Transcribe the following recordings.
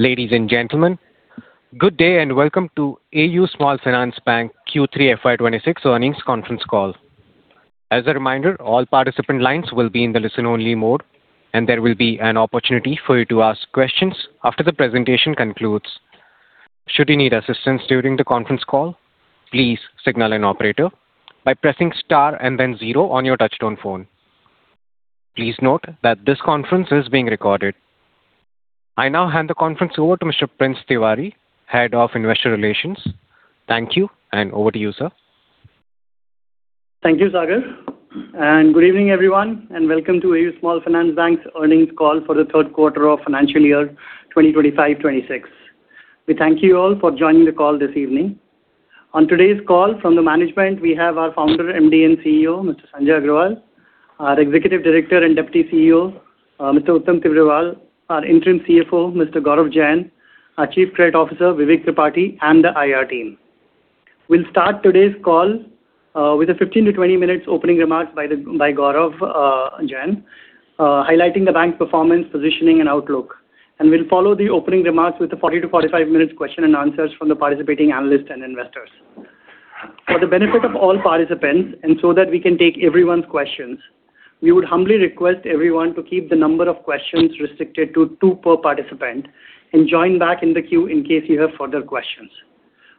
Ladies and gentlemen, good day and welcome to AU Small Finance Bank Q3 FY26 earnings conference call. As a reminder, all participant lines will be in the listen-only mode, and there will be an opportunity for you to ask questions after the presentation concludes. Should you need assistance during the conference call, please signal an operator by pressing star and then zero on your touch-tone phone. Please note that this conference is being recorded. I now hand the conference over to Mr. Prince Tiwari, Head of Investor Relations. Thank you, and over to you, sir. Thank you, Sagar, and good evening, everyone, and welcome to AU Small Finance Bank's earnings call for the third quarter of financial year 2025-26. We thank you all for joining the call this evening. On today's call, from the management, we have our Founder, MD, and CEO, Mr. Sanjay Agarwal, our Executive Director and Deputy CEO, Mr. Uttam Tibrewal, our Interim CFO, Mr. Gaurav Jain, our Chief Credit Officer, Vivek Tripathi, and the IR team. We'll start today's call with 15-20 minutes opening remarks by Gaurav Jain, highlighting the bank's performance, positioning, and outlook, and we'll follow the opening remarks with the 40-45 minutes question and answers from the participating analysts and investors. For the benefit of all participants, and so that we can take everyone's questions, we would humbly request everyone to keep the number of questions restricted to two per participant and join back in the queue in case you have further questions.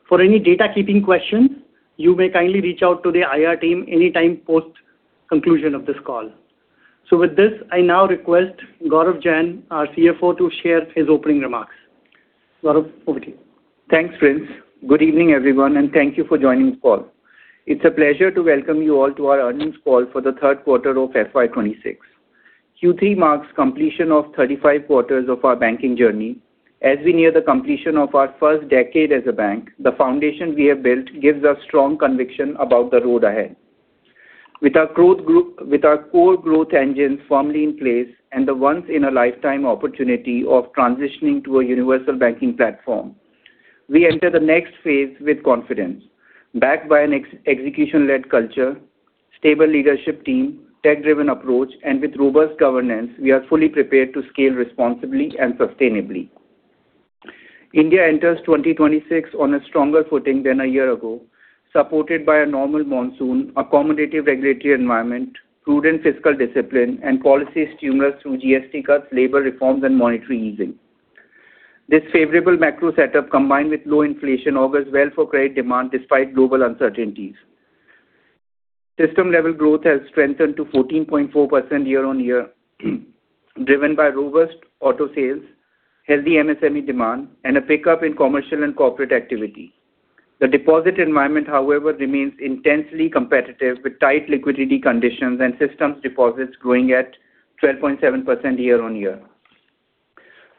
For any data keeping questions, you may kindly reach out to the IR team anytime post-conclusion of this call. So with this, I now request Gaurav Jain, our CFO, to share his opening remarks. Gaurav, over to you. Thanks, Prince. Good evening, everyone, and thank you for joining the call. It's a pleasure to welcome you all to our earnings call for the third quarter of FY26. Q3 marks the completion of 35 quarters of our banking journey. As we near the completion of our first decade as a bank, the foundation we have built gives us strong conviction about the road ahead. With our core growth engines firmly in place and the once-in-a-lifetime opportunity of transitioning to a universal banking platform, we enter the next phase with confidence. Backed by an execution-led culture, stable leadership team, tech-driven approach, and with robust governance, we are fully prepared to scale responsibly and sustainably. India enters 2026 on a stronger footing than a year ago, supported by a normal monsoon, accommodative regulatory environment, prudent fiscal discipline, and policy stimulus through GST cuts, labor reforms, and monetary easing. This favorable macro setup, combined with low inflation, augurs well for credit demand despite global uncertainties. System-level growth has strengthened to 14.4% year-on-year, driven by robust auto sales, healthy MSME demand, and a pickup in commercial and corporate activity. The deposit environment, however, remains intensely competitive with tight liquidity conditions and system deposits growing at 12.7% year-on-year.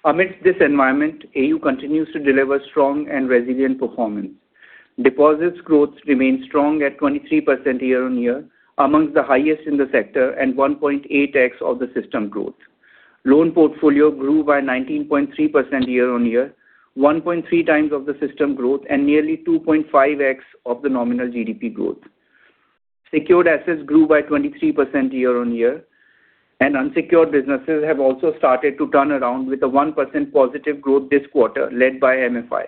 Amidst this environment, AU continues to deliver strong and resilient performance. Deposits growth remains strong at 23% year-on-year, among the highest in the sector and 1.8x of the system growth. Loan portfolio grew by 19.3% year-on-year, 1.3 times of the system growth, and nearly 2.5x of the nominal GDP growth. Secured assets grew by 23% year-on-year, and unsecured businesses have also started to turn around with a 1% positive growth this quarter, led by MFI.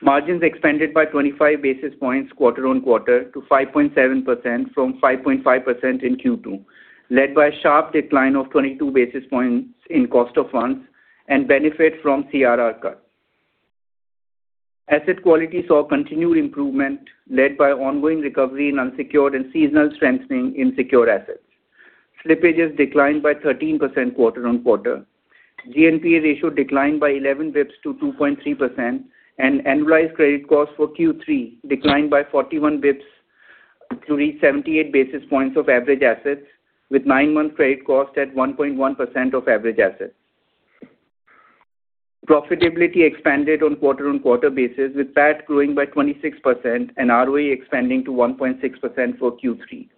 Margins expanded by 25 basis points quarter on quarter to 5.7% from 5.5% in Q2, led by a sharp decline of 22 basis points in cost of funds and benefit from CRR cut. Asset quality saw continued improvement, led by ongoing recovery in unsecured and seasonal strengthening in secured assets. Slippages declined by 13% quarter on quarter. GNPA ratio declined by 11 basis points to 2.3%, and annualized credit cost for Q3 declined by 41 basis points to reach 78 basis points of average assets, with nine-month credit cost at 1.1% of average assets. Profitability expanded on quarter-on-quarter basis, with PAT growing by 26% and ROE expanding to 1.6% for Q3.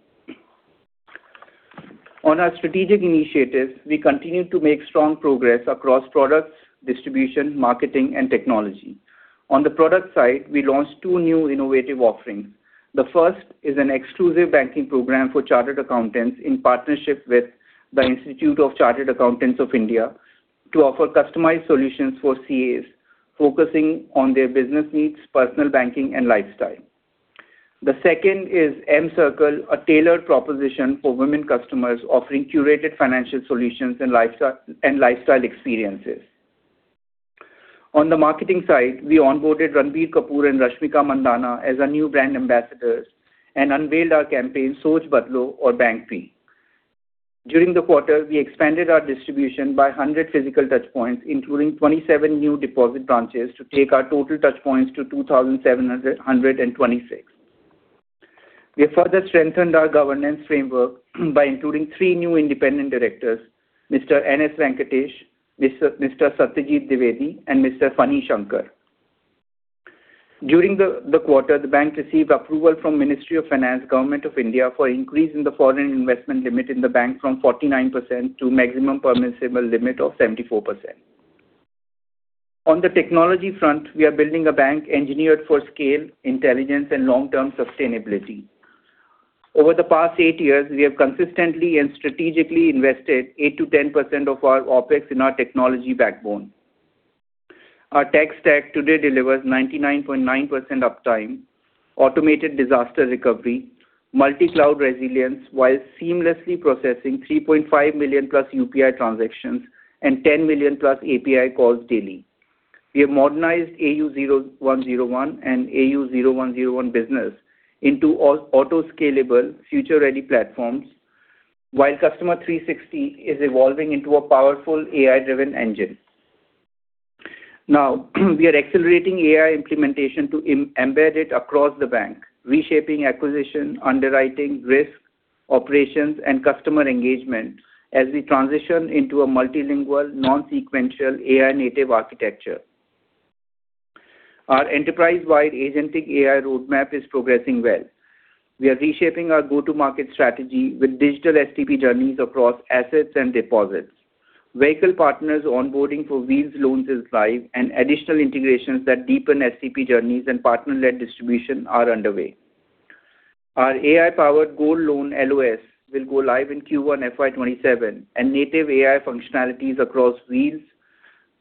On our strategic initiatives, we continue to make strong progress across products, distribution, marketing, and technology. On the product side, we launched two new innovative offerings. The first is an exclusive banking program for chartered accountants in partnership with the Institute of Chartered Accountants of India to offer customized solutions for CAs focusing on their business needs, personal banking, and lifestyle. The second is M-Circle, a tailored proposition for women customers offering curated financial solutions and lifestyle experiences. On the marketing side, we onboarded Ranbir Kapoor and Rashmika Mandanna as our new brand ambassadors and unveiled our campaign, "Soch Badlo, Aur Bank Bhi." During the quarter, we expanded our distribution by 100 physical touchpoints, including 27 new deposit branches, to take our total touchpoints to 2,726. We have further strengthened our governance framework by including three new independent directors: Mr. N. S. Venkatesh, Mr. Satyajit Dwivedi, and Mr. Vanni Shankar. During the quarter, the bank received approval from the Ministry of Finance, Government of India, for an increase in the foreign investment limit in the bank from 49% to a maximum permissible limit of 74%. On the technology front, we are building a bank engineered for scale, intelligence, and long-term sustainability. Over the past eight years, we have consistently and strategically invested 8%-10% of our OPEX in our technology backbone. Our tech stack today delivers 99.9% uptime, automated disaster recovery, multi-cloud resilience, while seamlessly processing 3.5 million plus UPI transactions and 10 million plus API calls daily. We have modernized AU 0101 and AU 0101 Business into auto-scalable, future-ready platforms, while Customer 360 is evolving into a powerful AI-driven engine. Now, we are accelerating AI implementation to embed it across the bank, reshaping acquisition, underwriting, risk, operations, and customer engagement as we transition into a multilingual, non-sequential AI-native architecture. Our enterprise-wide agentic AI roadmap is progressing well. We are reshaping our go-to-market strategy with digital STP journeys across assets and deposits. Vehicle partners onboarding for Wheels loans is live, and additional integrations that deepen STP journeys and partner-led distribution are underway. Our AI-powered gold loan LOS will go live in Q1 FY27, and native AI functionalities across Wheels,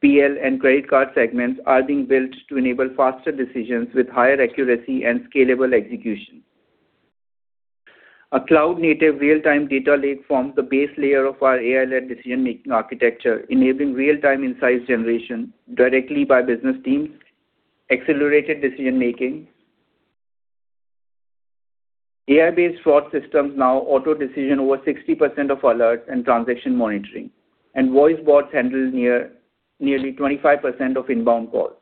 PL, and credit card segments are being built to enable faster decisions with higher accuracy and scalable execution. A cloud-native real-time data lake forms the base layer of our AI-led decision-making architecture, enabling real-time insights generation directly by business teams, accelerated decision-making. AI-based fraud systems now auto-decision over 60% of alert and transaction monitoring, and voice bots handle nearly 25% of inbound calls.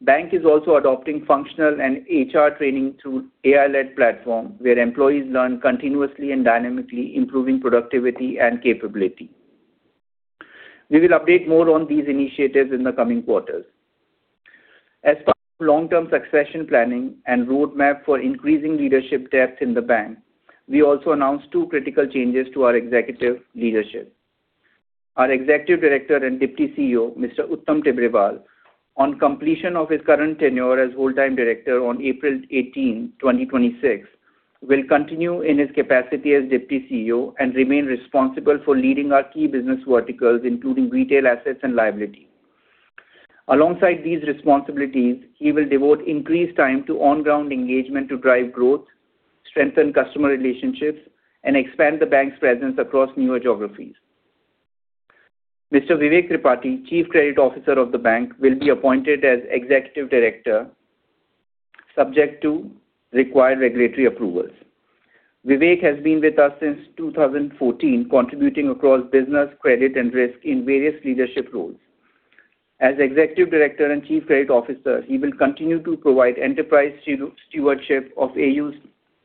The bank is also adopting functional and HR training through an AI-led platform where employees learn continuously and dynamically, improving productivity and capability. We will update more on these initiatives in the coming quarters. As part of long-term succession planning and roadmap for increasing leadership depth in the bank, we also announced two critical changes to our executive leadership. Our Executive Director and Deputy CEO, Mr. Uttam Tibrewal, on completion of his current tenure as whole-time director on April 18, 2026, will continue in his capacity as Deputy CEO and remain responsible for leading our key business verticals, including retail assets and liability. Alongside these responsibilities, he will devote increased time to on-ground engagement to drive growth, strengthen customer relationships, and expand the bank's presence across newer geographies. Mr. Vivek Tripathi, Chief Credit Officer of the bank, will be appointed as Executive Director, subject to required regulatory approvals. Vivek has been with us since 2014, contributing across business, credit, and risk in various leadership roles. As Executive Director and Chief Credit Officer, he will continue to provide enterprise stewardship of AU's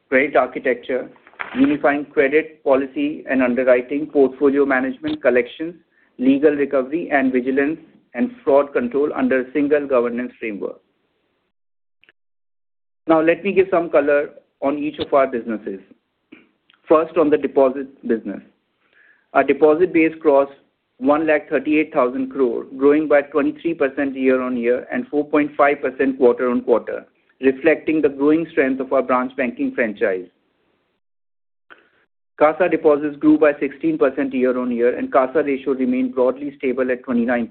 credit architecture, unifying credit policy and underwriting, portfolio management, collections, legal recovery, and vigilance and fraud control under a single governance framework. Now, let me give some color on each of our businesses. First, on the deposit business. Our deposit base crossed 138,000 crore, growing by 23% year-on-year and 4.5% quarter on quarter, reflecting the growing strength of our branch banking franchise. CASA deposits grew by 16% year-on-year, and CASA ratio remained broadly stable at 29%.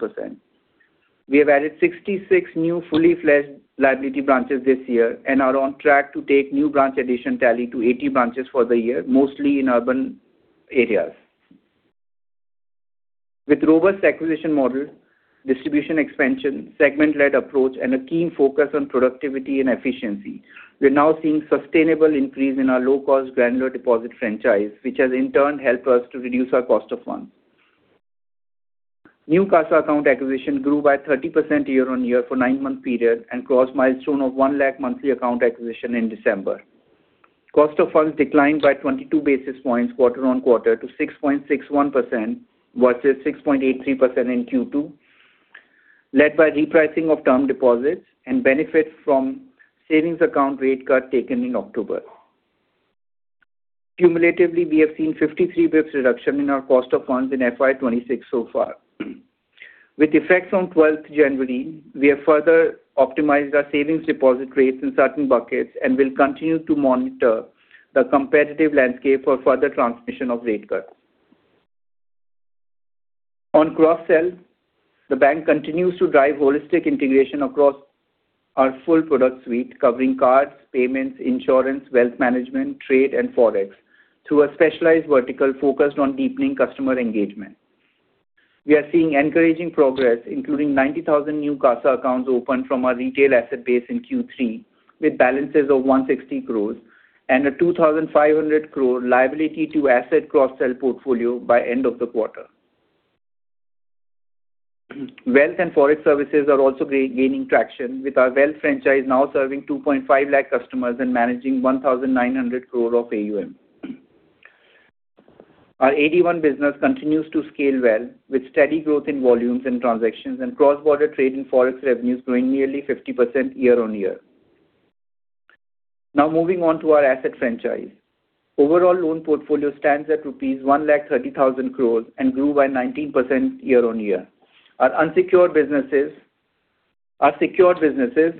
We have added 66 new fully-pledged liability branches this year and are on track to take new branch addition tally to 80 branches for the year, mostly in urban areas. With robust acquisition models, distribution expansion, segment-led approach, and a keen focus on productivity and efficiency, we are now seeing a sustainable increase in our low-cost granular deposit franchise, which has in turn helped us to reduce our cost of funds. New CASA account acquisition grew by 30% year-on-year for a nine-month period and crossed a milestone of 1 lakh monthly account acquisition in December. Cost of funds declined by 22 basis points quarter on quarter to 6.61% versus 6.83% in Q2, led by repricing of term deposits and benefit from savings account rate cut taken in October. Cumulatively, we have seen a 53 basis points reduction in our cost of funds in FY26 so far. With effects on 12th January, we have further optimized our savings deposit rates in certain buckets and will continue to monitor the competitive landscape for further transmission of rate cuts. On cross-sell, the bank continues to drive holistic integration across our full product suite, covering cards, payments, insurance, wealth management, trade, and forex, through a specialized vertical focused on deepening customer engagement. We are seeing encouraging progress, including 90,000 new CASA accounts open from our retail asset base in Q3, with balances of 160 crore and a 2,500 crore liability-to-asset cross-sell portfolio by the end of the quarter. Wealth and forex services are also gaining traction, with our wealth franchise now serving 2.5 lakh customers and managing 1,900 crore of AUM. Our AD-I business continues to scale well, with steady growth in volumes and transactions and cross-border trade and forex revenues growing nearly 50% year-on-year. Now, moving on to our asset franchise. Overall, the loan portfolio stands at rupees 130,000 crore and grew by 19% year-on-year. Our unsecured businesses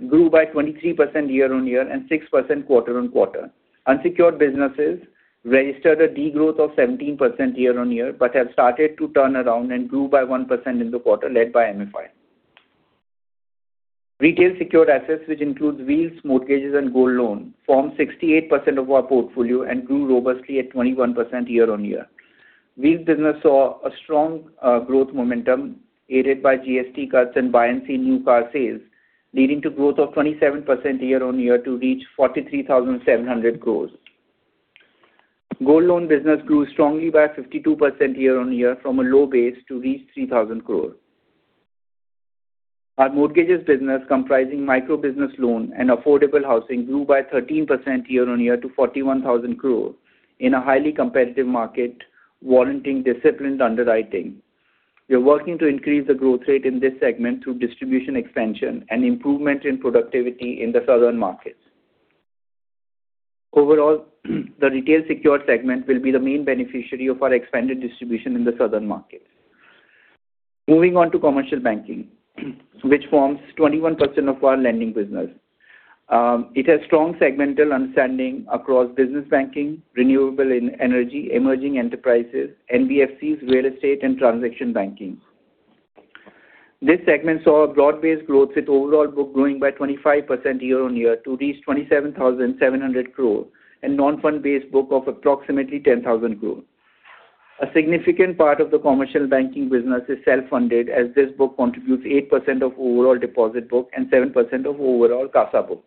grew by 23% year-on-year and 6% quarter on quarter. Unsecured businesses registered a degrowth of 17% year-on-year but have started to turn around and grew by 1% in the quarter, led by MFI. Retail secured assets, which include Wheels, mortgages, and gold loans, form 68% of our portfolio and grew robustly at 21% year-on-year. The Wheels business saw a strong growth momentum aided by GST cuts and bouyant new car sales, leading to a growth of 27% year-on-year to reach 43,700 crores. Gold loan business grew strongly by 52% year-on-year from a low base to reach 3,000 crore. Our mortgages business, comprising microbusiness loans and affordable housing, grew by 13% year-on-year to 41,000 crore in a highly competitive market, warranting disciplined underwriting. We are working to increase the growth rate in this segment through distribution expansion and improvement in productivity in the southern markets. Overall, the retail secured segment will be the main beneficiary of our expanded distribution in the southern markets. Moving on to commercial banking, which forms 21% of our lending business. It has strong segmental understanding across business banking, renewable energy, emerging enterprises, NBFCs, real estate, and transaction banking. This segment saw a broad-based growth, with overall book growing by 25% year-on-year to reach 27,700 crore and a non-fund-based book of approximately 10,000 crore. A significant part of the commercial banking business is self-funded, as this book contributes 8% of overall deposit book and 7% of overall CASA book.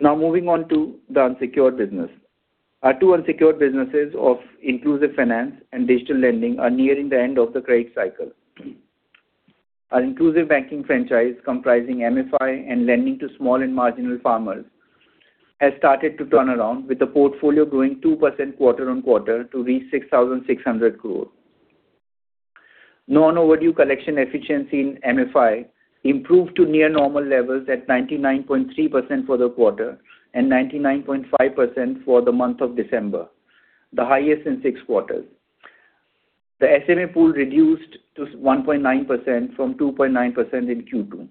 Now, moving on to the unsecured business. Our two unsecured businesses of inclusive finance and digital lending are nearing the end of the credit cycle. Our inclusive banking franchise, comprising MFI and lending to small and marginal farmers, has started to turn around, with the portfolio growing 2% quarter on quarter to reach 6,600 crore. Non-overdue collection efficiency in MFI improved to near normal levels at 99.3% for the quarter and 99.5% for the month of December, the highest in six quarters. The SMA pool reduced to 1.9% from 2.9% in Q2.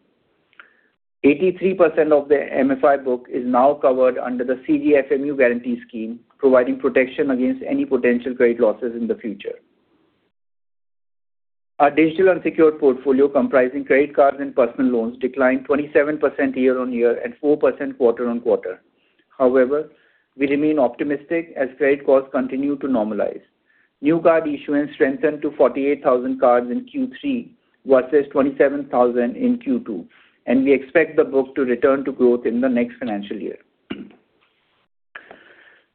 83% of the MFI book is now covered under the CGFMU guarantee scheme, providing protection against any potential credit losses in the future. Our digital unsecured portfolio, comprising credit cards and personal loans, declined 27% year-on-year and 4% quarter on quarter. However, we remain optimistic as credit costs continue to normalize. New card issuance strengthened to 48,000 cards in Q3 versus 27,000 in Q2, and we expect the book to return to growth in the next financial year.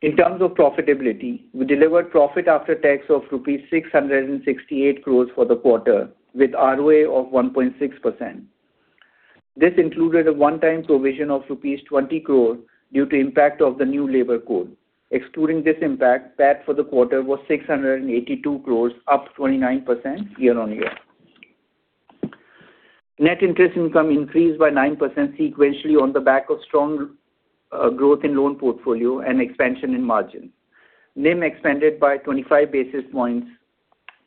In terms of profitability, we delivered profit after tax of rupees 668 crores for the quarter, with ROA of 1.6%. This included a one-time provision of rupees 20 crore due to the impact of the new labor code. Excluding this impact, PAT for the quarter was 682 crores, up 29% year-on-year. Net interest income increased by 9% sequentially on the back of strong growth in loan portfolio and expansion in margins. NIM expanded by 25 basis points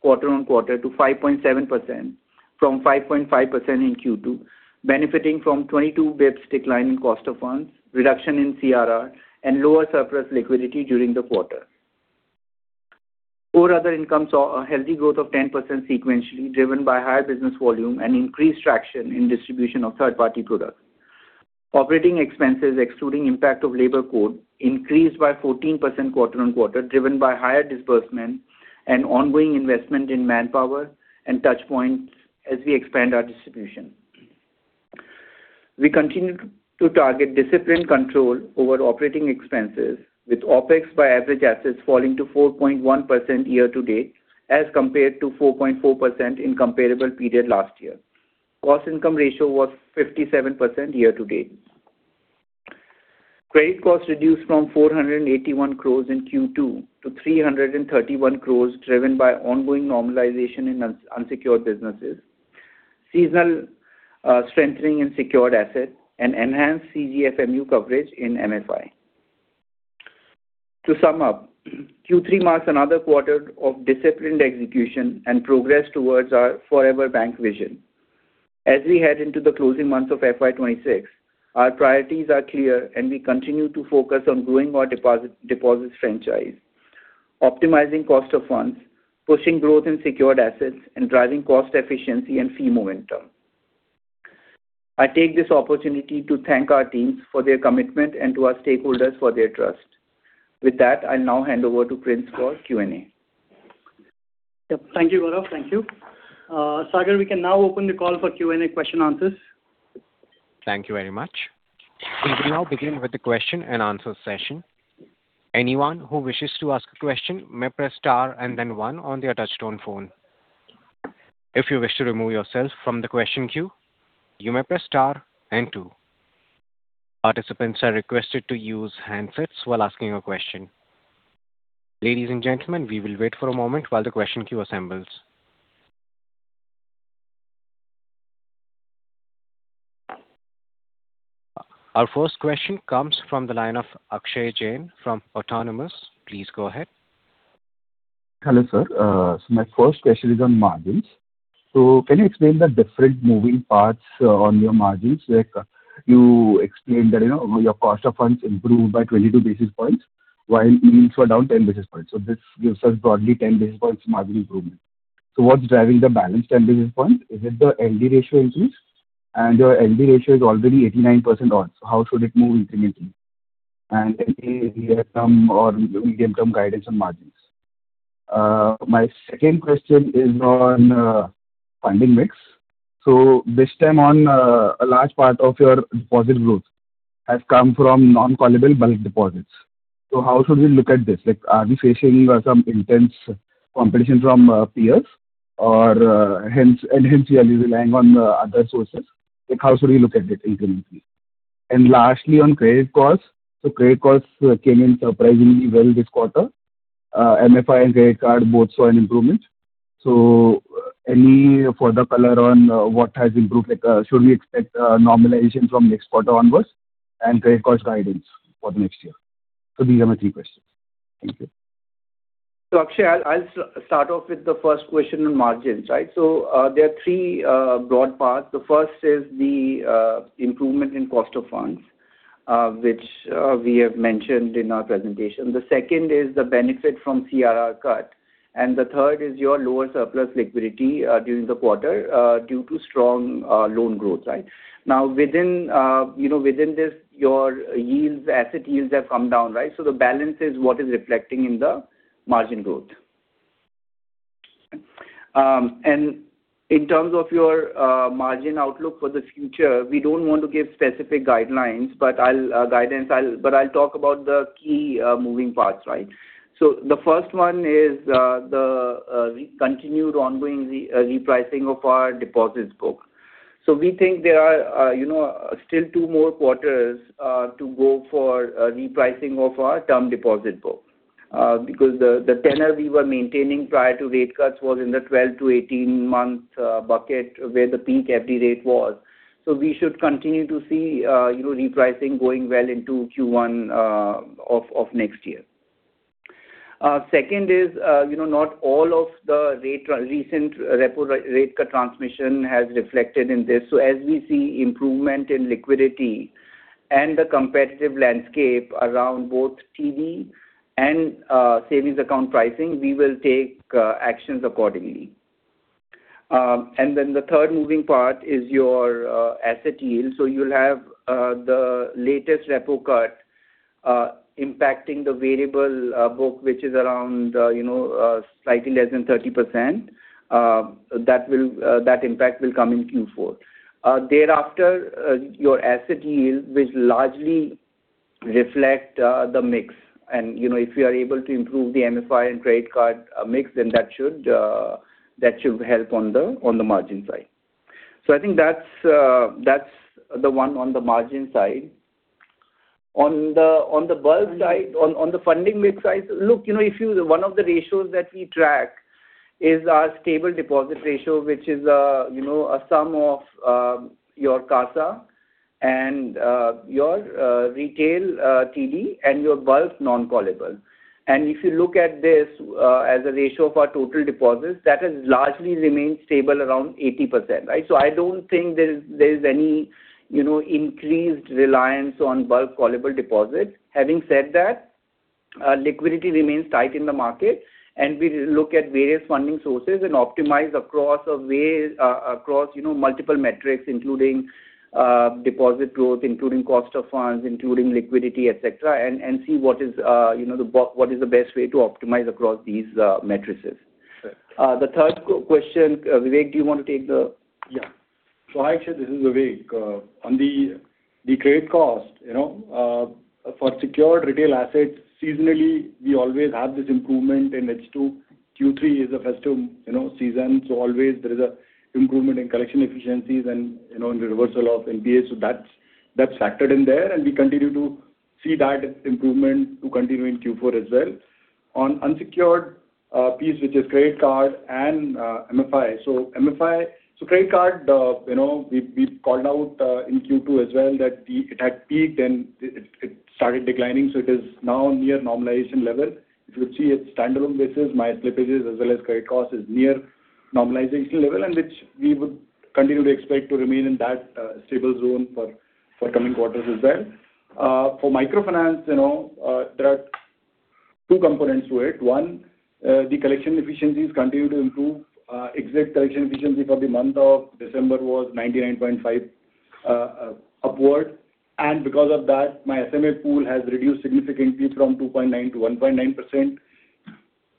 quarter on quarter to 5.7% from 5.5% in Q2, benefiting from 22 basis points decline in cost of funds, reduction in CRR, and lower surplus liquidity during the quarter. Core other income saw a healthy growth of 10% sequentially, driven by higher business volume and increased traction in distribution of third-party products. Operating expenses, excluding the impact of labor code, increased by 14% quarter on quarter, driven by higher disbursement and ongoing investment in manpower and touch points as we expand our distribution. We continue to target discipline control over operating expenses, with OPEX by average assets falling to 4.1% year-to-date as compared to 4.4% in the comparable period last year. Cost income ratio was 57% year-to-date. Credit costs reduced from 481 crores in Q2 to 331 crores, driven by ongoing normalization in unsecured businesses, seasonal strengthening in secured assets, and enhanced CGFMU coverage in MFI. To sum up, Q3 marks another quarter of disciplined execution and progress towards our forever bank vision. As we head into the closing months of FY26, our priorities are clear, and we continue to focus on growing our deposits franchise, optimizing cost of funds, pushing growth in secured assets, and driving cost efficiency and fee momentum. I take this opportunity to thank our teams for their commitment and to our stakeholders for their trust. With that, I'll now hand over to Prince for Q&A. Thank you, Gaurav. Thank you. Sagar, we can now open the call for Q&A question and answers. Thank you very much. We will now begin with the question and answer session. Anyone who wishes to ask a question may press star and then one on their touch-tone phone. If you wish to remove yourself from the question queue, you may press star and two. Participants are requested to use handsets while asking a question. Ladies and gentlemen, we will wait for a moment while the question queue assembles. Our first question comes from the line of Akshay Jain from Autonomous. Please go ahead. Hello, sir. So my first question is on margins. So, can you explain the different moving parts on your margins? You explained that your cost of funds improved by 22 basis points, while means were down 10 basis points. So this gives us broadly 10 basis points margin improvement. So what's driving the balance 10 basis points? Is it the LD ratio increase? And your LD ratio is already 89% odd. So how should it move incrementally? And any medium-term guidance on margins? My second question is on funding mix. So this time, a large part of your deposit growth has come from non-callable bulk deposits. So how should we look at this? Are we facing some intense competition from peers or hence you are relying on other sources? How should we look at it incrementally? And lastly, on credit costs. So credit costs came in surprisingly well this quarter. MFI and credit card both saw an improvement. So any further color on what has improved? Should we expect normalization from next quarter onwards and credit cost guidance for the next year? So these are my three questions. Thank you. So Akshay, I'll start off with the first question on margins, right? So there are three broad parts. The first is the improvement in cost of funds, which we have mentioned in our presentation. The second is the benefit from CRR cut. And the third is your lower surplus liquidity during the quarter due to strong loan growth, right? Now, within this, your asset yields have come down, right? So the balance is what is reflecting in the margin growth. And in terms of your margin outlook for the future, we don't want to give specific guidelines, but I'll talk about the key moving parts, right? The first one is the continued ongoing repricing of our deposits book. We think there are still two more quarters to go for repricing of our term deposit book because the tenor we were maintaining prior to rate cuts was in the 12-18-month bucket where the peak FD rate was. We should continue to see repricing going well into Q1 of next year. Second is not all of the recent reported rate cut transmission has reflected in this. As we see improvement in liquidity and the competitive landscape around both TD and savings account pricing, we will take actions accordingly. Then the third moving part is your asset yield. You'll have the latest repo cut impacting the variable book, which is around slightly less than 30%. That impact will come in Q4. Thereafter, your asset yield, which largely reflects the mix. If you are able to improve the MFI and credit card mix, then that should help on the margin side. I think that's the one on the margin side. On the funding mix side, look, one of the ratios that we track is our stable deposit ratio, which is a sum of your CASA and your retail TD and your bulk non-callable. If you look at this as a ratio of our total deposits, that has largely remained stable around 80%, right? I don't think there is any increased reliance on bulk callable deposits. Having said that, liquidity remains tight in the market, and we look at various funding sources and optimize across multiple metrics, including deposit growth, including cost of funds, including liquidity, etc., and see what is the best way to optimize across these metrics. The third question, Vivek. Do you want to take the? Yeah. So hi, Akshay. This is Vivek. On the credit cost, for secured retail assets, seasonally, we always have this improvement in H2. Q3 is a festive season, so always there is an improvement in collection efficiencies and in the reversal of NPA. So that's factored in there, and we continue to see that improvement to continue in Q4 as well. On the unsecured piece, which is credit card and MFI. So credit card, we called out in Q2 as well that it had peaked and it started declining, so it is now near normalization level. If you could see its standalone basis, my slippages as well as credit cost is near normalization level, and which we would continue to expect to remain in that stable zone for coming quarters as well. For microfinance, there are two components to it. One, the collection efficiencies continue to improve. Exit collection efficiency for the month of December was 99.5% upward. And because of that, my SMA pool has reduced significantly from 2.9% to 1.9%.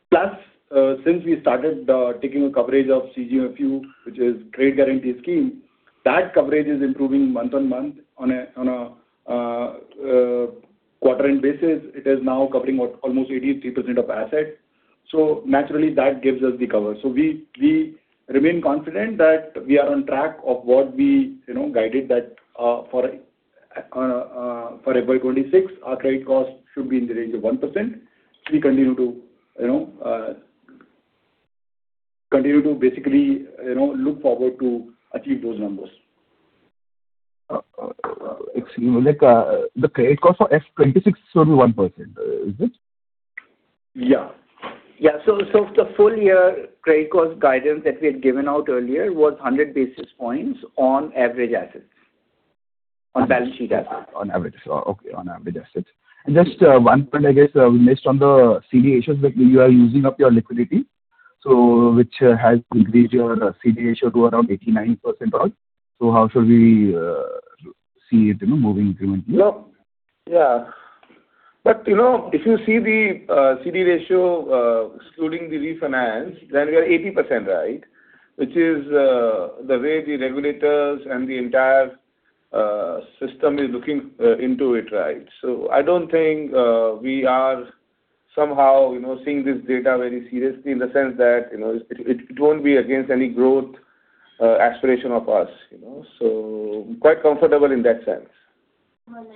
Plus, since we started taking coverage of CGFMU, which is a credit guarantee scheme, that coverage is improving month on month on a quarter-end basis. It is now covering almost 83% of assets. So naturally, that gives us the cover. So we remain confident that we are on track of what we guided that for FY26, our credit cost should be in the range of 1%. We continue to basically look forward to achieving those numbers. Excuse me, Vivek, the credit cost for FY26 will be 1%, is it? Yeah. Yeah. So the full-year credit cost guidance that we had given out earlier was 100 basis points on average assets, on balance sheet assets. On average. Okay. On average assets. And just one point, I guess, based on the CD ratios, you are using up your liquidity, which has increased your CD ratio to around 89% odd. So how should we see it moving incrementally? Yeah. But if you see the CD ratio excluding the refinance, then we are 80%, right? Which is the way the regulators and the entire system is looking into it, right? So I don't think we are somehow seeing this data very seriously in the sense that it won't be against any growth aspiration of us. So quite comfortable in that sense.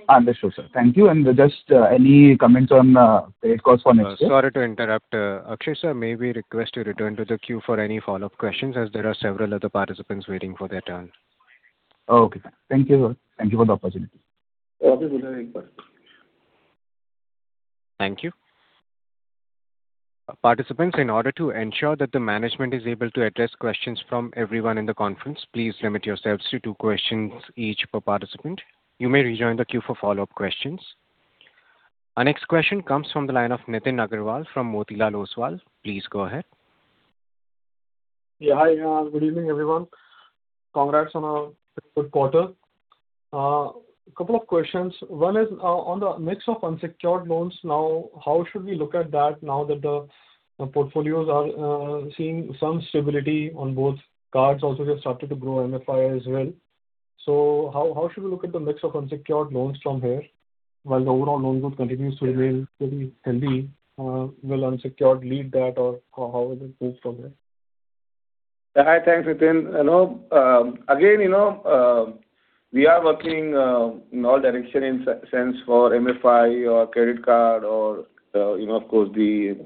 Understood, sir. Thank you. And just any comments on credit cost for next year? Sorry to interrupt. Akshay, sir, may we request to return to the queue for any follow-up questions as there are several other participants waiting for their turn? Okay. Thank you for the opportunity. Okay. Thank you. Participants, in order to ensure that the management is able to address questions from everyone in the conference, please limit yourselves to two questions each per participant. You may rejoin the queue for follow-up questions. Our next question comes from the line of Nitin Aggarwal from Motilal Oswal. Please go ahead. Yeah. Hi. Good evening, everyone. Congrats on a good quarter. A couple of questions. One is on the mix of unsecured loans now, how should we look at that now that the portfolios are seeing some stability on both cards? Also, they've started to grow MFI as well. So how should we look at the mix of unsecured loans from here while the overall loan growth continues to remain pretty heavy? Will unsecured lead that, or how will it move from there? Hi. Thanks, Nitin. Again, we are working in all directions in a sense for MFI or credit card or, of course, the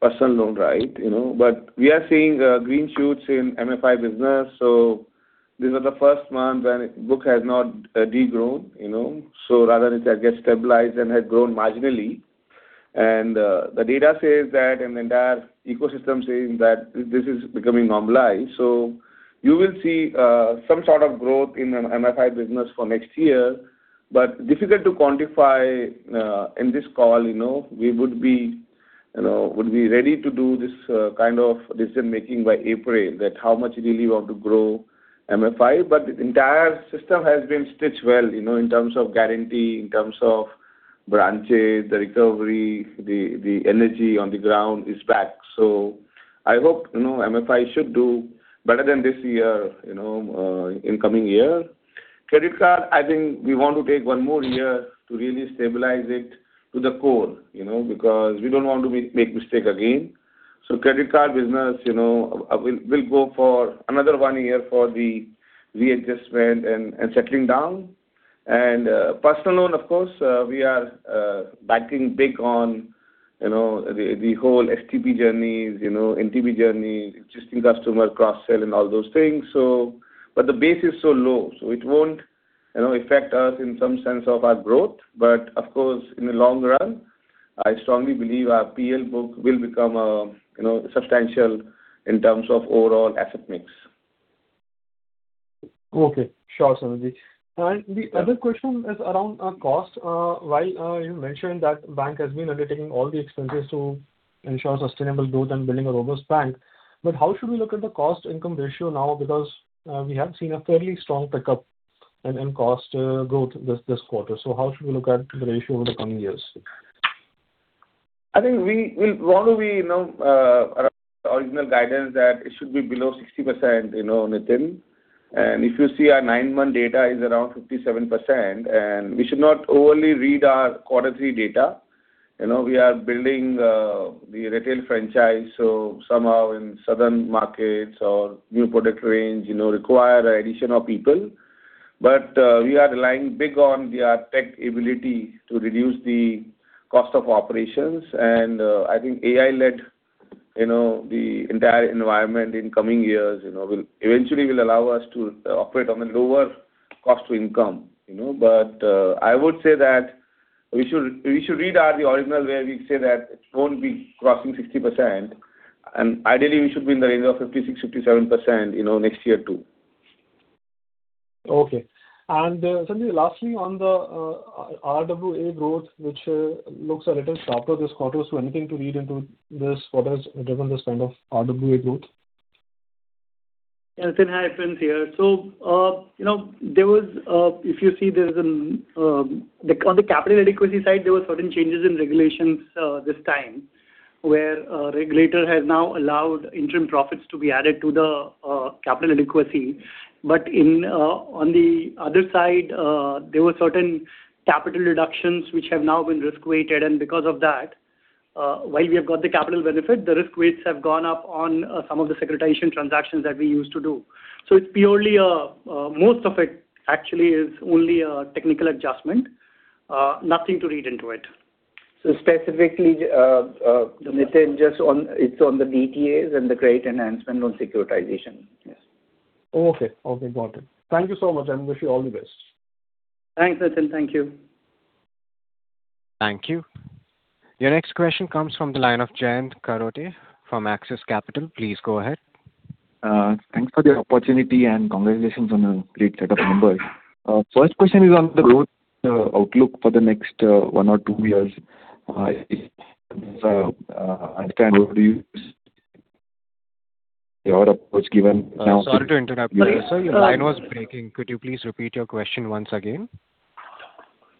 personal loan, right? But we are seeing green shoots in MFI business. This was the first month when VUC has not degrown. Rather, it has stabilized and has grown marginally. The data says that, and the entire ecosystem says that this is becoming normalized. You will see some sort of growth in MFI business for next year. It is difficult to quantify in this call. We would be ready to do this kind of decision-making by April, that how much really we want to grow MFI. The entire system has been stitched well in terms of guarantee, in terms of branches, the recovery, the energy on the ground is back. I hope MFI should do better than this year in coming year. Credit card, I think we want to take one more year to really stabilize it to the core because we don't want to make a mistake again. So credit card business will go for another one year for the readjustment and settling down. And personal loan, of course, we are banking big on the whole STP journeys, NTB journeys, existing customer cross-sell, and all those things. But the base is so low, so it won't affect us in some sense of our growth. But of course, in the long run, I strongly believe our PL book will become substantial in terms of overall asset mix. Okay. Sure, Sanjay. And the other question is around cost. While you mentioned that the bank has been undertaking all the expenses to ensure sustainable growth and building a robust bank, but how should we look at the cost-income ratio now? Because we have seen a fairly strong pickup in cost growth this quarter, so how should we look at the ratio over the coming years? I think we want to be around the original guidance that it should be below 60%, Nitin, and if you see our nine-month data is around 57%, and we should not overly read our quarter three data. We are building the retail franchise, so somehow in southern markets or new product range require an addition of people, but we are relying big on the tech ability to reduce the cost of operations, and I think AI will lead the entire environment in coming years eventually will allow us to operate on a lower cost-to-income, but I would say that we should stick to the original where we say that it won't be crossing 60%. And ideally, we should be in the range of 56%-57% next year too. Okay. And Sanjay, lastly, on the RWA growth, which looks a little sharper this quarter, is there anything to read into this? What has driven this kind of RWA growth? Yeah. Nitin, hi, Prince here. So there was, if you see, there's, on the capital adequacy side, there were certain changes in regulations this time where a regulator has now allowed interim profits to be added to the capital adequacy. But on the other side, there were certain capital deductions which have now been risk-weighted. And because of that, while we have got the capital benefit, the risk weights have gone up on some of the securitization transactions that we used to do. So it's purely, most of it actually is only a technical adjustment, nothing to read into it. So specifically, Nitin, it's on the DTAs and the credit enhancement on securitization. Yes. Okay. Okay. Got it. Thank you so much. I wish you all the best. Thanks, Nitin. Thank you. Thank you. Your next question comes from the line of Jayant Kharote from Axis Capital. Please go ahead. Thanks for the opportunity and congratulations on the great set of numbers. First question is on the growth outlook for the next one or two years. I understand your approach given now. Sorry to interrupt. Sorry, your line was breaking. Could you please repeat your question once again?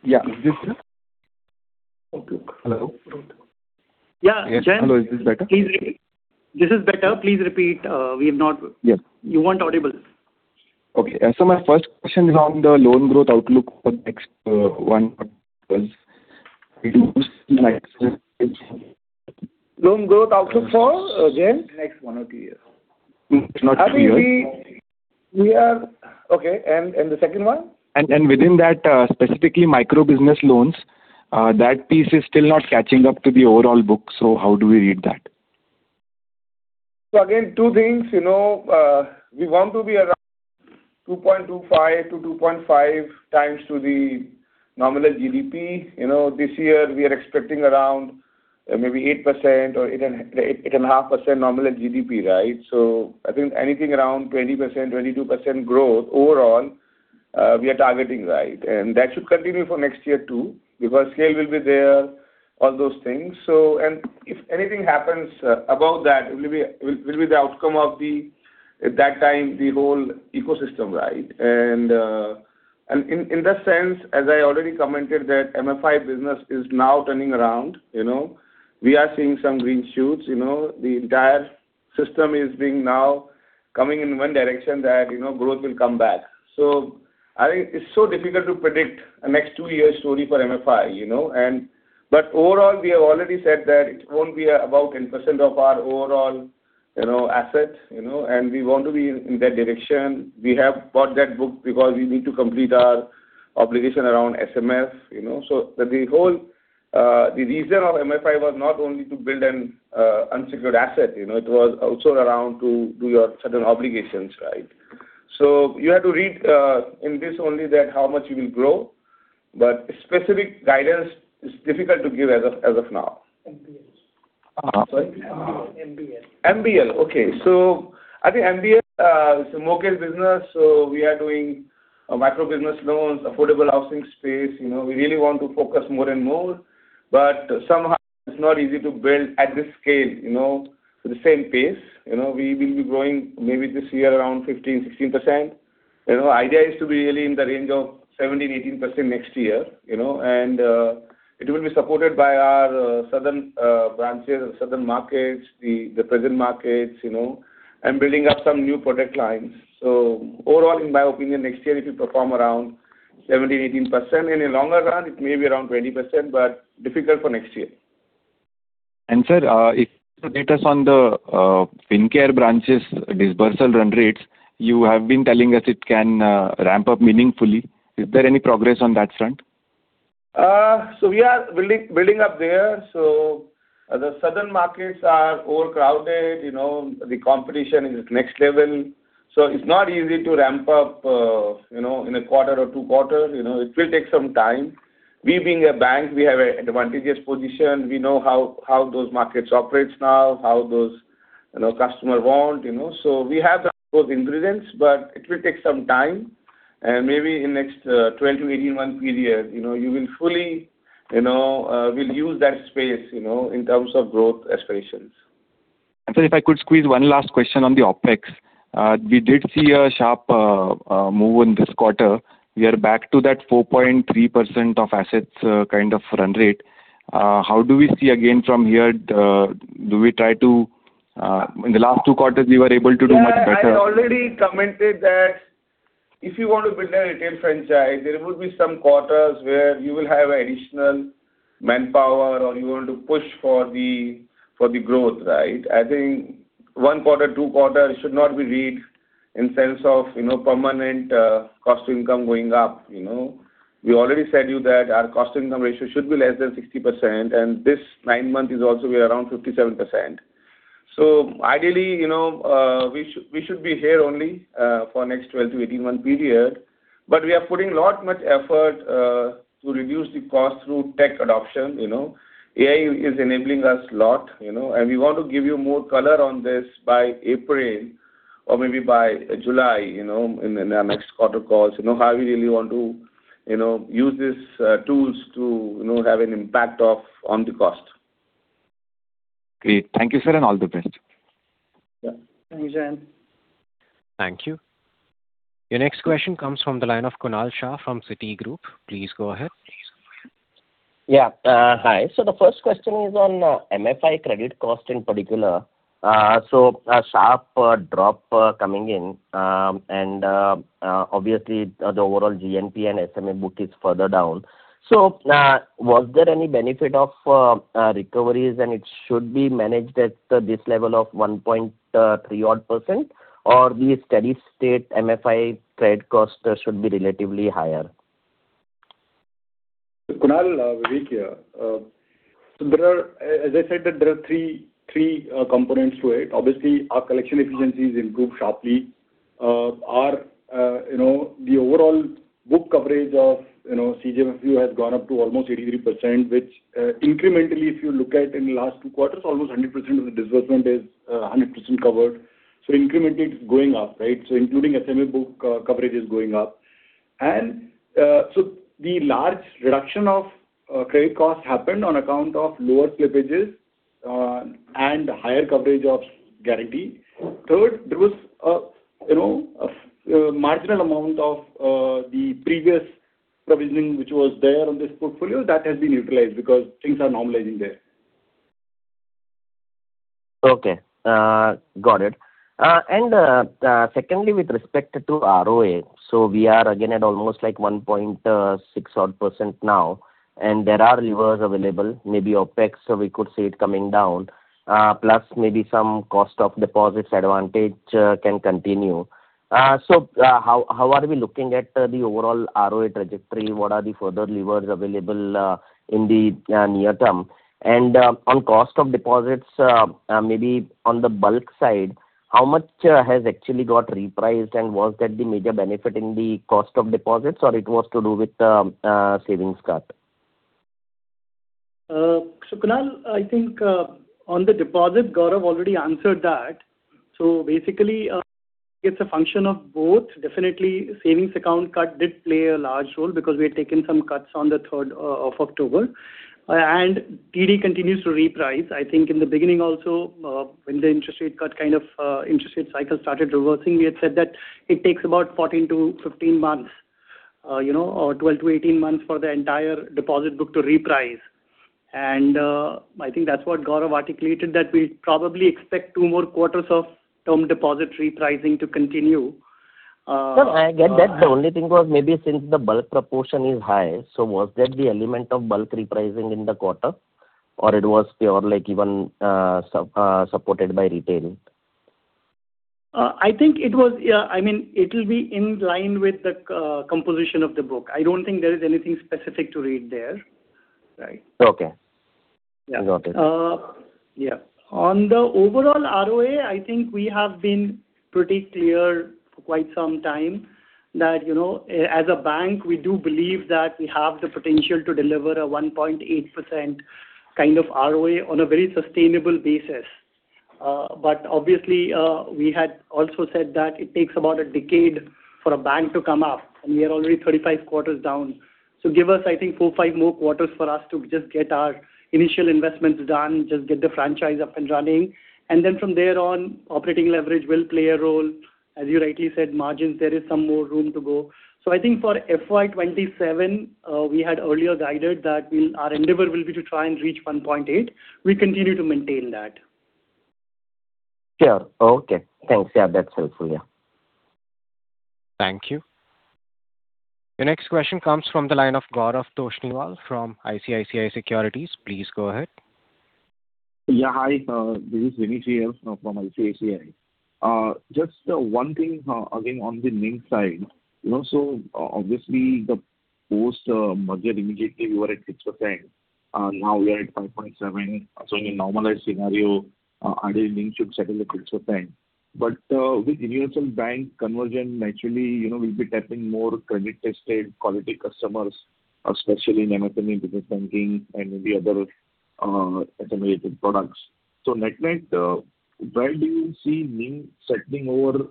Yeah. Is this? Okay. Hello. Yeah. Jayant? Hello. Is this better? This is better. Please repeat. We have not. You weren't audible. Okay. So my first question is on the loan growth outlook for the next one or two years. Loan growth outlook for, again? Next one or two years. I mean, we are okay. And the second one? And within that, specifically microbusiness loans, that piece is still not catching up to the overall book. So how do we read that? So again, two things. We want to be around 2.25 to 2.5 times to the nominal GDP. This year, we are expecting around maybe 8% or 8.5% nominal GDP, right? So I think anything around 20%, 22% growth overall, we are targeting, right? And that should continue for next year too because scale will be there, all those things. And if anything happens above that, it will be the outcome of that time, the whole ecosystem, right? And in that sense, as I already commented that MFI business is now turning around, we are seeing some green shoots. The entire system is now coming in one direction that growth will come back. So I think it's so difficult to predict the next two-year story for MFI. But overall, we have already said that it won't be about 10% of our overall asset, and we want to be in that direction. We have bought that book because we need to complete our obligation around SMF. So the reason of MFI was not only to build an unsecured asset. It was also around to do your certain obligations, right? So you have to read in this only that how much you will grow. But specific guidance is difficult to give as of now. MBL. Sorry? MBL. MBL. Okay. So I think MBL is a small-case business, so we are doing microbusiness loans, affordable housing space. We really want to focus more and more. But somehow, it's not easy to build at this scale at the same pace. We will be growing maybe this year around 15-16%. The idea is to be really in the range of 17-18% next year. And it will be supported by our southern branches, southern markets, the parent markets, and building up some new product lines. So overall, in my opinion, next year, if you perform around 17-18%, in a longer run, it may be around 20%, but difficult for next year. And sir, if you could get us on the Fincare branches' disbursal run rates, you have been telling us it can ramp up meaningfully. Is there any progress on that front? So we are building up there. So the southern markets are overcrowded. The competition is next level. So it's not easy to ramp up in a quarter or two quarters. It will take some time. We being a bank, we have an advantageous position. We know how those markets operate now, how those customers want. So we have those ingredients, but it will take some time. And maybe in the next 12- to 18-month period, you will fully use that space in terms of growth aspirations. And sir, if I could squeeze one last question on the OpEx. We did see a sharp move in this quarter. We are back to that 4.3% of assets kind of run rate. How do we see again from here? Do we try to in the last two quarters, we were able to do much better? I already commented that if you want to build a retail franchise, there will be some quarters where you will have additional manpower or you want to push for the growth, right? I think one quarter, two quarters should not be read in the sense of permanent cost-to-income going up. We already said to you that our cost-to-income ratio should be less than 60% and this nine-month is also around 57%. Ideally, we should be here only for the next 12- to 18-month period, but we are putting a lot of effort to reduce the cost through tech adoption. AI is enabling us a lot, and we want to give you more color on this by April or maybe by July in our next quarter calls on how we really want to use these tools to have an impact on the cost. Great. Thank you, sir, and all the best. Yeah. Thanks, Jayant. Thank you. Your next question comes from the line of Kunal Shah from Citigroup. Please go ahead. Yeah. Hi, so the first question is on MFI credit cost in particular, so a sharp drop coming in. Obviously, the overall GNPA and SMA book is further down. So was there any benefit of recoveries, and it should be managed at this level of 1.3 odd %, or the steady-state MFI credit cost should be relatively higher? Kunal, Vivek here. So as I said, there are three components to it. Obviously, our collection efficiency has improved sharply. The overall book coverage of CGFMU has gone up to almost 83%, which incrementally, if you look at in the last two quarters, almost 100% of the disbursement is 100% covered. So incrementally, it's going up, right? So including SMA book coverage is going up. And so the large reduction of credit cost happened on account of lower slippages and higher coverage of guarantee. Third, there was a marginal amount of the previous provisioning which was there on this portfolio that has been utilized because things are normalizing there. Okay. Got it. And secondly, with respect to ROA, so we are again at almost like 1.6 odd % now. And there are levers available, maybe OPEX, so we could see it coming down, plus maybe some cost-of-deposits advantage can continue. So how are we looking at the overall ROA trajectory? What are the further levers available in the near term? And on cost-of-deposits, maybe on the bulk side, how much has actually got repriced, and was that the major benefit in the cost-of-deposits, or it was to do with the savings cut? So Kunal, I think on the deposit, Gaurav already answered that. So basically, it's a function of both. Definitely, savings account cut did play a large role because we had taken some cuts on the 3rd of October. And TD continues to reprice. I think in the beginning also, when the interest rate cut kind of interest rate cycle started reversing, we had said that it takes about 14-15 months or 12-18 months for the entire deposit book to reprice, and I think that's what Gaurav articulated, that we probably expect two more quarters of term deposit repricing to continue, but again That's the only thing was maybe since the bulk proportion is high. So was that the element of bulk repricing in the quarter, or it was pure even supported by retail? I think it was. Yeah. I mean, it'll be in line with the composition of the book. I don't think there is anything specific to read there, right? Okay. Got it. Yeah. On the overall ROA, I think we have been pretty clear for quite some time that as a bank, we do believe that we have the potential to deliver a 1.8% kind of ROA on a very sustainable basis. But obviously, we had also said that it takes about a decade for a bank to come up. And we are already 35 quarters down. So give us, I think, four, five more quarters for us to just get our initial investments done, just get the franchise up and running. And then from there on, operating leverage will play a role. As you rightly said, margins, there is some more room to go. So I think for FY27, we had earlier guided that our endeavor will be to try and reach 1.8. We continue to maintain that. Sure. Okay. Thanks. Yeah. That's helpful. Yeah. Thank you. Your next question comes from the line of Gaurav Jani from ICICI Securities. Please go ahead. Yeah. Hi. This is Vivek Jayal from ICICI. Just one thing, again, on the NIM side. So obviously, the post-merger immediately, we were at 6%. Now we are at 5.7%. So in a normalized scenario, adding NIM should settle at 6%. But with Universal Bank conversion, naturally, we'll be tapping more credit-tested quality customers, especially in MFI and business banking and the other affiliated products. So net net, where do you see NIM settling over the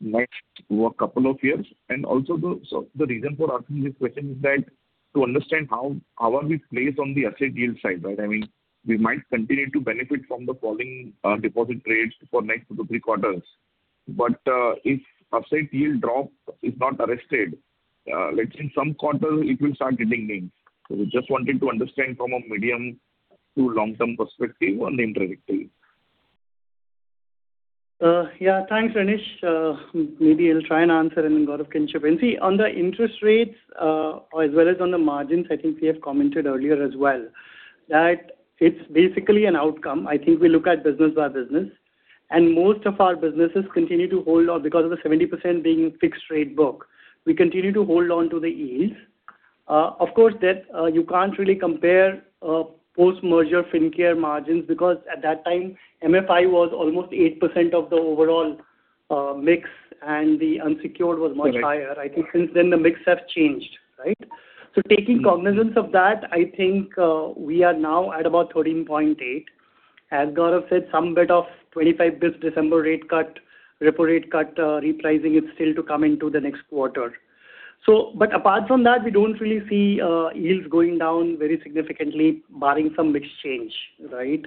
next couple of years? And also the reason for asking this question is that to understand how are we placed on the asset yield side, right? I mean, we might continue to benefit from the falling deposit rates for the next two to three quarters. But if asset yield drop is not arrested, let's say in some quarter, it will start getting NIM. So we just wanted to understand from a medium to long-term perspective on the NIM trajectory. Yeah. Thanks, Anish. Maybe I'll try and answer and then Gaurav can chip in. On the interest rates, as well as on the margins, I think we have commented earlier as well that it's basically an outcome. I think we look at business by business. And most of our businesses continue to hold on because of the 70% being fixed-rate book. We continue to hold on to the yields. Of course, you can't really compare post-merger Fincare margins because at that time, MFI was almost 8% of the overall mix, and the unsecured was much higher. I think since then, the mix has changed, right? So taking cognizance of that, I think we are now at about 13.8%. As Gaurav said, some bit of 25 basis points December rate cut, repo rate cut, repricing, it's still to come into the next quarter. But apart from that, we don't really see yields going down very significantly, barring some macro change, right?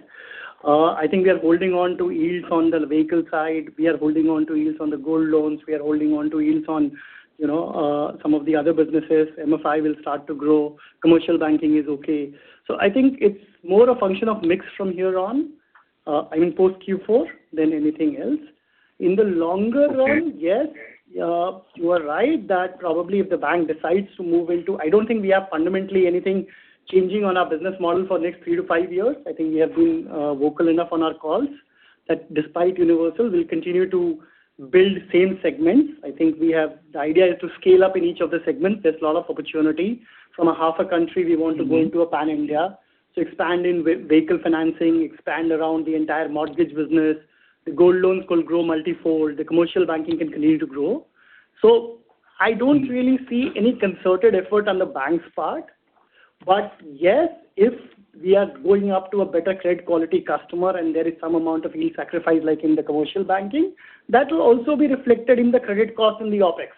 I think we are holding on to yields on the vehicle side. We are holding on to yields on the gold loans. We are holding on to yields on some of the other businesses. MFI will start to grow. Commercial banking is okay. So I think it's more a function of mix from here on, I mean, post-Q4 than anything else. In the longer run, yes, you are right that probably if the bank decides to move into, I don't think we have fundamentally anything changing on our business model for the next three to five years. I think we have been vocal enough on our calls that despite Universal, we'll continue to build same segments. I think the idea is to scale up in each of the segments. There's a lot of opportunity. From a half a country, we want to go into a pan-India. So expand in vehicle financing, expand around the entire mortgage business. The gold loans could grow multifold. The commercial banking can continue to grow. So I don't really see any concerted effort on the bank's part. But yes, if we are going up to a better credit quality customer and there is some amount of yield sacrifice like in the commercial banking, that will also be reflected in the credit cost and the OpEx,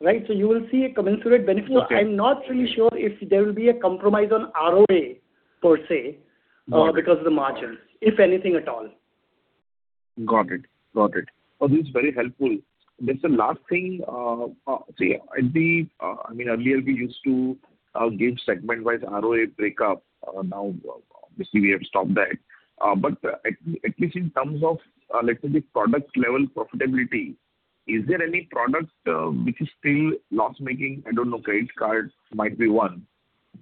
right? So you will see a commensurate benefit. So I'm not really sure if there will be a compromise on ROA per se because of the margins, if anything at all. Got it. Got it. This is very helpful. Just the last thing. See, I mean, earlier, we used to give segment-wise ROA breakup. Now, obviously, we have stopped that. But at least in terms of, let's say, the product-level profitability, is there any product which is still loss-making? I don't know. Credit card might be one.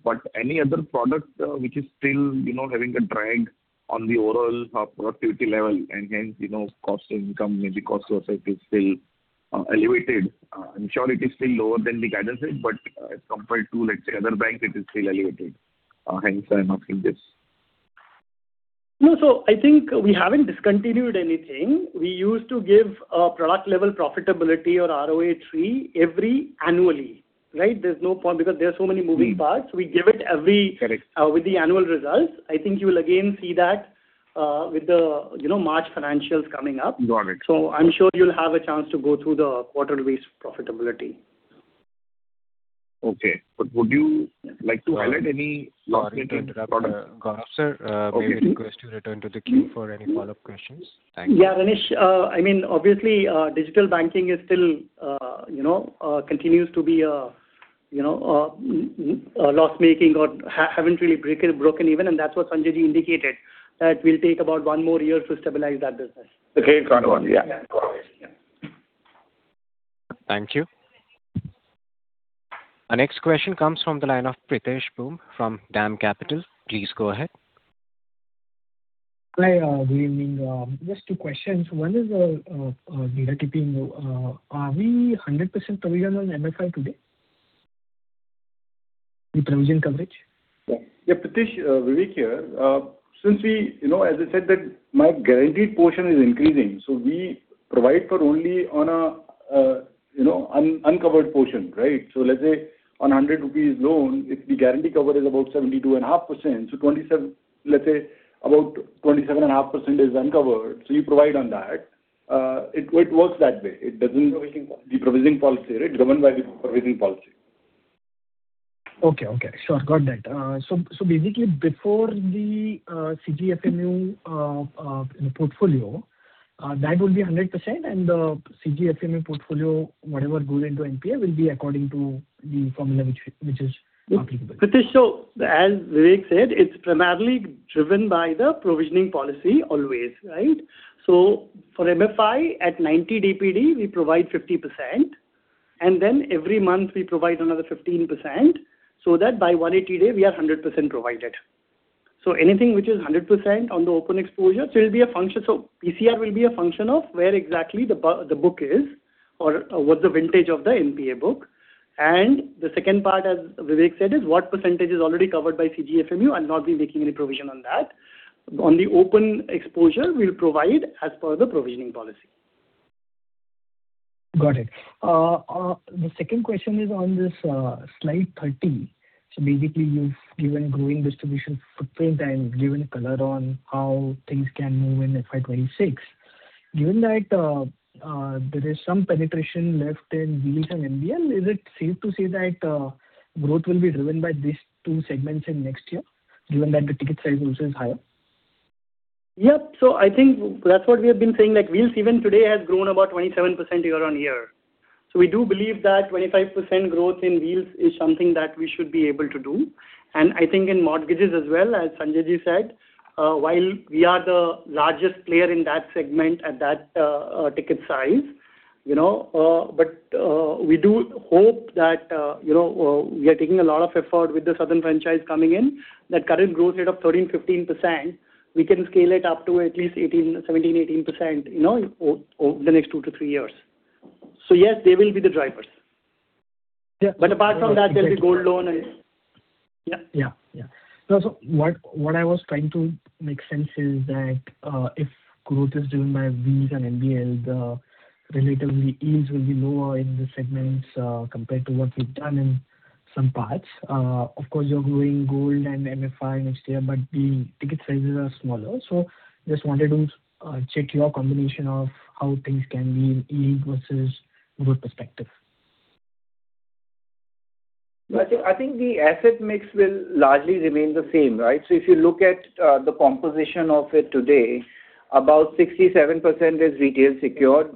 But any other product which is still having a drag on the overall productivity level and hence cost-to-income, maybe cost-to-effective is still elevated? I'm sure it is still lower than the guidance rate, but compared to, let's say, other banks, it is still elevated. Hence, I'm asking this. No. So I think we haven't discontinued anything. We used to give product-level profitability or ROA tree every annually, right? There's no point because there are so many moving parts. We give it every with the annual results. I think you will again see that with the March financials coming up. So I'm sure you'll have a chance to go through the quarter-based profitability. Okay. But would you like to highlight any loss-making products? Sir, may I request you return to the queue for any follow-up questions? Thank you. Yeah, Anish. I mean, obviously, digital banking still continues to be loss-making or haven't really broken even. And that's what Sanjay Ji indicated, that we'll take about one more year to stabilize that business. Okay. Got one. Yeah. Got it. Yeah. Thank you. Our next question comes from the line of Pritesh Bumb from DAM Capital. Please go ahead. Hi. Good evening. Just two questions. One is the provisioning. Are we 100% provision on MFI today? The provision coverage? Yeah. Pritesh, Vivek here. Since we, as I said, that the guaranteed portion is increasing. So we provide for only on an uncovered portion, right? So let's say on a 100 rupees loan, if the guarantee cover is about 72.5%, so let's say about 27.5% is uncovered. So you provide on that. It works that way. It doesn't the provision policy, right? Governed by the provision policy. Okay. Okay. Sure. Got that. So basically, before the CGFMU portfolio, that will be 100%. And the CGFMU portfolio, whatever goes into NPA, will be according to the formula which is applicable. Pritesh, so as Vivek said, it's primarily driven by the provisioning policy always, right? So for MFI at 90 DPD, we provide 50%. And then every month, we provide another 15%. So that by 180 day, we are 100% provided. Anything which is 100% on the open exposure, so it'll be a function. PCR will be a function of where exactly the book is or what's the vintage of the NPA book. The second part, as Vivek said, is what percentage is already covered by CGFMU. I'll not be making any provision on that. On the open exposure, we'll provide as per the provisioning policy. Got it. The second question is on this Slide 30. Basically, you've given growing distribution footprint and given color on how things can move in FY26. Given that there is some penetration left inWheels and MBL, is it safe to say that growth will be driven by these two segments in next year, given that the ticket size also is higher? Yeah. I think that's what we have been saying. Wheels, even today, has grown about 27% year on year. So we do believe that 25% growth in wheels is something that we should be able to do. And I think in mortgages as well, as Sanjay Ji said, while we are the largest player in that segment at that ticket size. But we do hope that we are taking a lot of effort with the Southern franchise coming in, that current growth rate of 13%-15%, we can scale it up to at least 17%-18% over the next two to three years. So yes, they will be the drivers. But apart from that, there'll be gold loan and yeah. Yeah. Yeah. So what I was trying to make sense is that if growth is driven by wheels and MBL, the relatively yields will be lower in the segments compared to what we've done in some parts. Of course, you're growing gold and MFI next year, but the ticket sizes are smaller. So just wanted to check your combination of how things can be in yield versus growth perspective. I think the asset mix will largely remain the same, right? So if you look at the composition of it today, about 67% is retail secured.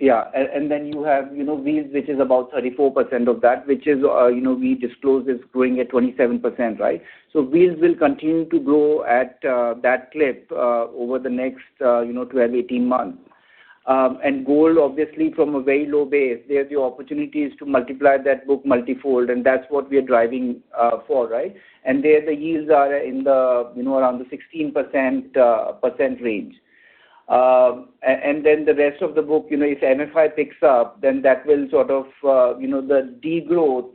Yeah. And then you have Wheels, which is about 34% of that, which we disclosed is growing at 27%, right? So Wheels will continue to grow at that clip over the next 12, 18 months. And gold, obviously, from a very low base, there's the opportunities to multiply that book multifold. And that's what we are driving for, right? And there the yields are in the around the 16% range. And then the rest of the book, if MFI picks up, then that will sort of the degrowth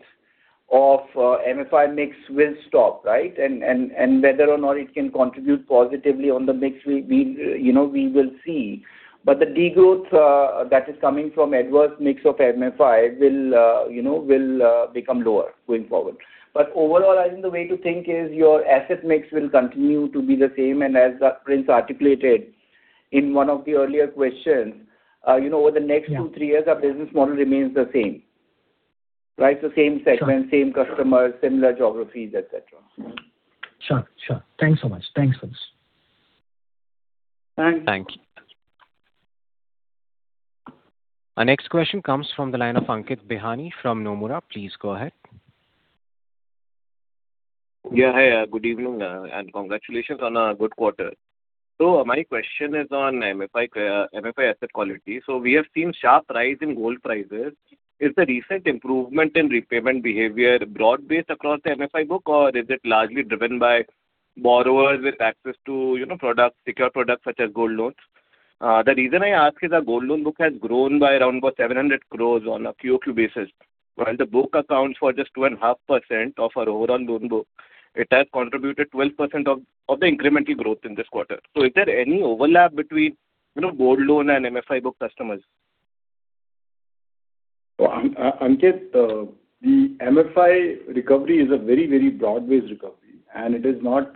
of MFI mix will stop, right? And whether or not it can contribute positively on the mix, we will see. But the degrowth that is coming from adverse mix of MFI will become lower going forward. But overall, I think the way to think is your asset mix will continue to be the same. And as Prince articulated in one of the earlier questions, over the next two, three years, our business model remains the same, right? The same segment, same customers, similar geographies, etc. Sure. Sure. Thanks so much. Thanks, Prince. Thanks. Thank you. Our next question comes from the line of Ankit Bihani from Nomura. Please go ahead. Yeah. Hi. Good evening and congratulations on a good quarter. So my question is on MFI asset quality. We have seen sharp rise in gold prices. Is the recent improvement in repayment behavior broad-based across the MFI book, or is it largely driven by borrowers with access to secure products such as gold loans? The reason I ask is our gold loan book has grown by around about 700 crores on a QOQ basis. While the book accounts for just 2.5% of our overall loan book, it has contributed 12% of the incremental growth in this quarter. So is there any overlap between gold loan and MFI book customers? Ankit, the MFI recovery is a very, very broad-based recovery. And it is not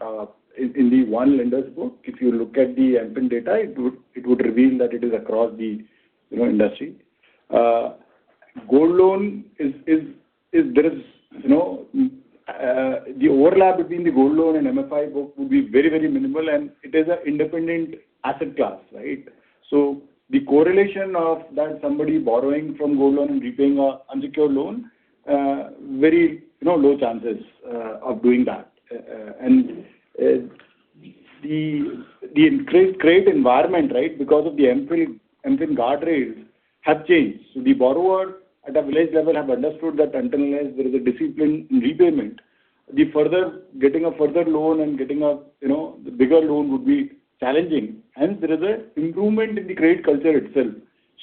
in the one lender's book. If you look at the MFIN data, it would reveal that it is across the industry. Gold loan, there is the overlap between the gold loan and MFI book would be very, very minimal. It is an independent asset class, right? So the correlation of that somebody borrowing from gold loan and repaying an unsecured loan, very low chances of doing that. And the great environment, right, because the MFIN guardrails have changed. So the borrower at a village level have understood that until there is a discipline in repayment, the further getting a further loan and getting a bigger loan would be challenging. Hence, there is an improvement in the credit culture itself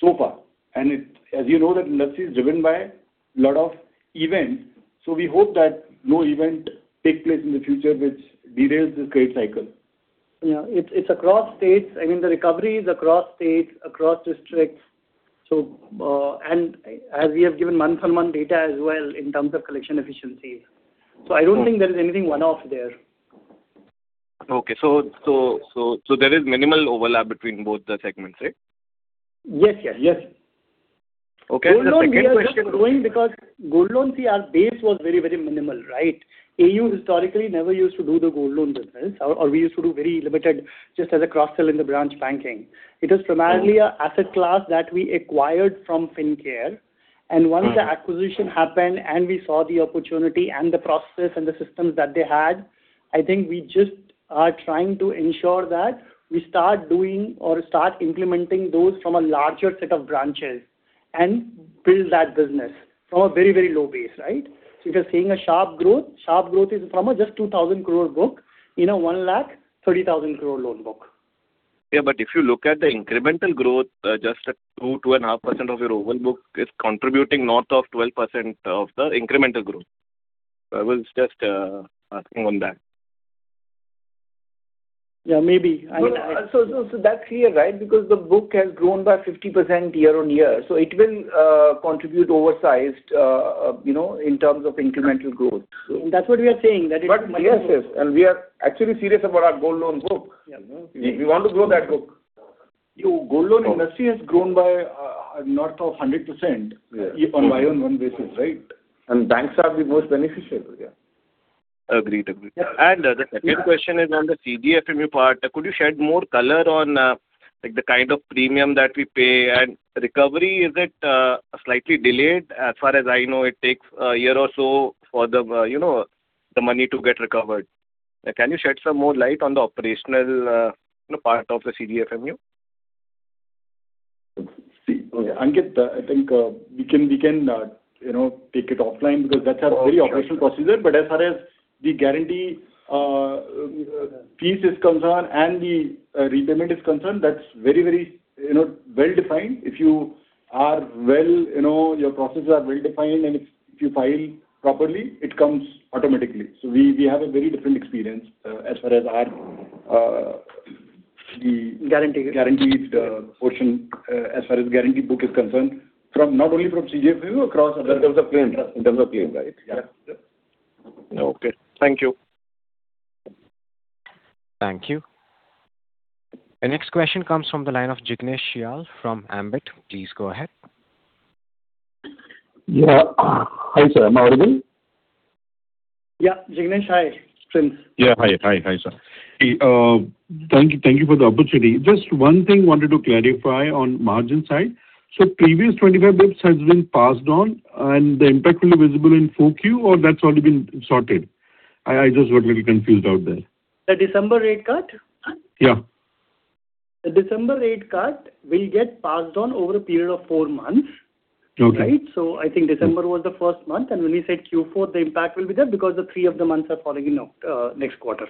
so far. And as you know, that industry is driven by a lot of events. So we hope that no event takes place in the future which derails this credit cycle. Yeah. It's across states. I mean, the recovery is across states, across districts. And as we have given month-on-month data as well in terms of collection efficiencies. So I don't think there is anything one-off there. Okay. So there is minimal overlap between both the segments, right? Yes. Yes. Okay. So the second question is growing because gold loan, see, our base was very, very minimal, right? AU historically never used to do the gold loan business, or we used to do very limited just as a cross-sell in the branch banking. It is primarily an asset class that we acquired from Fincare. And once the acquisition happened and we saw the opportunity and the process and the systems that they had, I think we just are trying to ensure that we start doing or start implementing those from a larger set of branches and build that business from a very, very low base, right? So if you're seeing a sharp growth, sharp growth is from a just 2,000 crore book in a 130,000 crore loan book. Yeah. But if you look at the incremental growth, just 2-2.5% of your overall book is contributing north of 12% of the incremental growth. I was just asking on that. Yeah. Maybe. I mean, so that's clear, right? Because the book has grown by 50% year on year. So it will contribute oversized in terms of incremental growth. So that's what we are saying that it will. But yes, yes. And we are actually serious about our gold loan book. We want to grow that book. Gold loan industry has grown by north of 100% on a year-on-year basis, right? And banks are the most beneficial. Yeah. Agreed. Agreed. And the second question is on the CGFMU part. Could you shed more color on the kind of premium that we pay? And recovery, is it slightly delayed? As far as I know, it takes a year or so for the money to get recovered. Can you shed some more light on the operational part of the CGFMU? See, Ankit, I think we can take it offline because that's a very operational procedure. But as far as the guarantee piece is concerned and the repayment is concerned, that's very, very well defined. If you are well, your processes are well defined, and if you file properly, it comes automatically. So we have a very different experience as far as our guaranteed portion, as far as guaranteed book is concerned, not only from CGFMU across other terms of claim, in terms of claim, right? Yeah. Okay. Thank you. Thank you. The next question comes from the line of Jignesh Shial from Ambit. Please go ahead. Yeah. Hi, sir. Am I audible? Yeah. Jignesh, hi. Prince. Yeah. Hi. Hi. Hi, sir. Thank you for the opportunity. Just one thing wanted to clarify on margin side. So previous 25 basis points has been passed on, and the impact will be visible in 4Q, or that's already been sorted? I just got a little confused out there. The December rate cut? Yeah. The December rate cut will get passed on over a period of four months, right? So I think December was the first month. And when we said Q4, the impact will be there because the three of the months are falling in next quarter.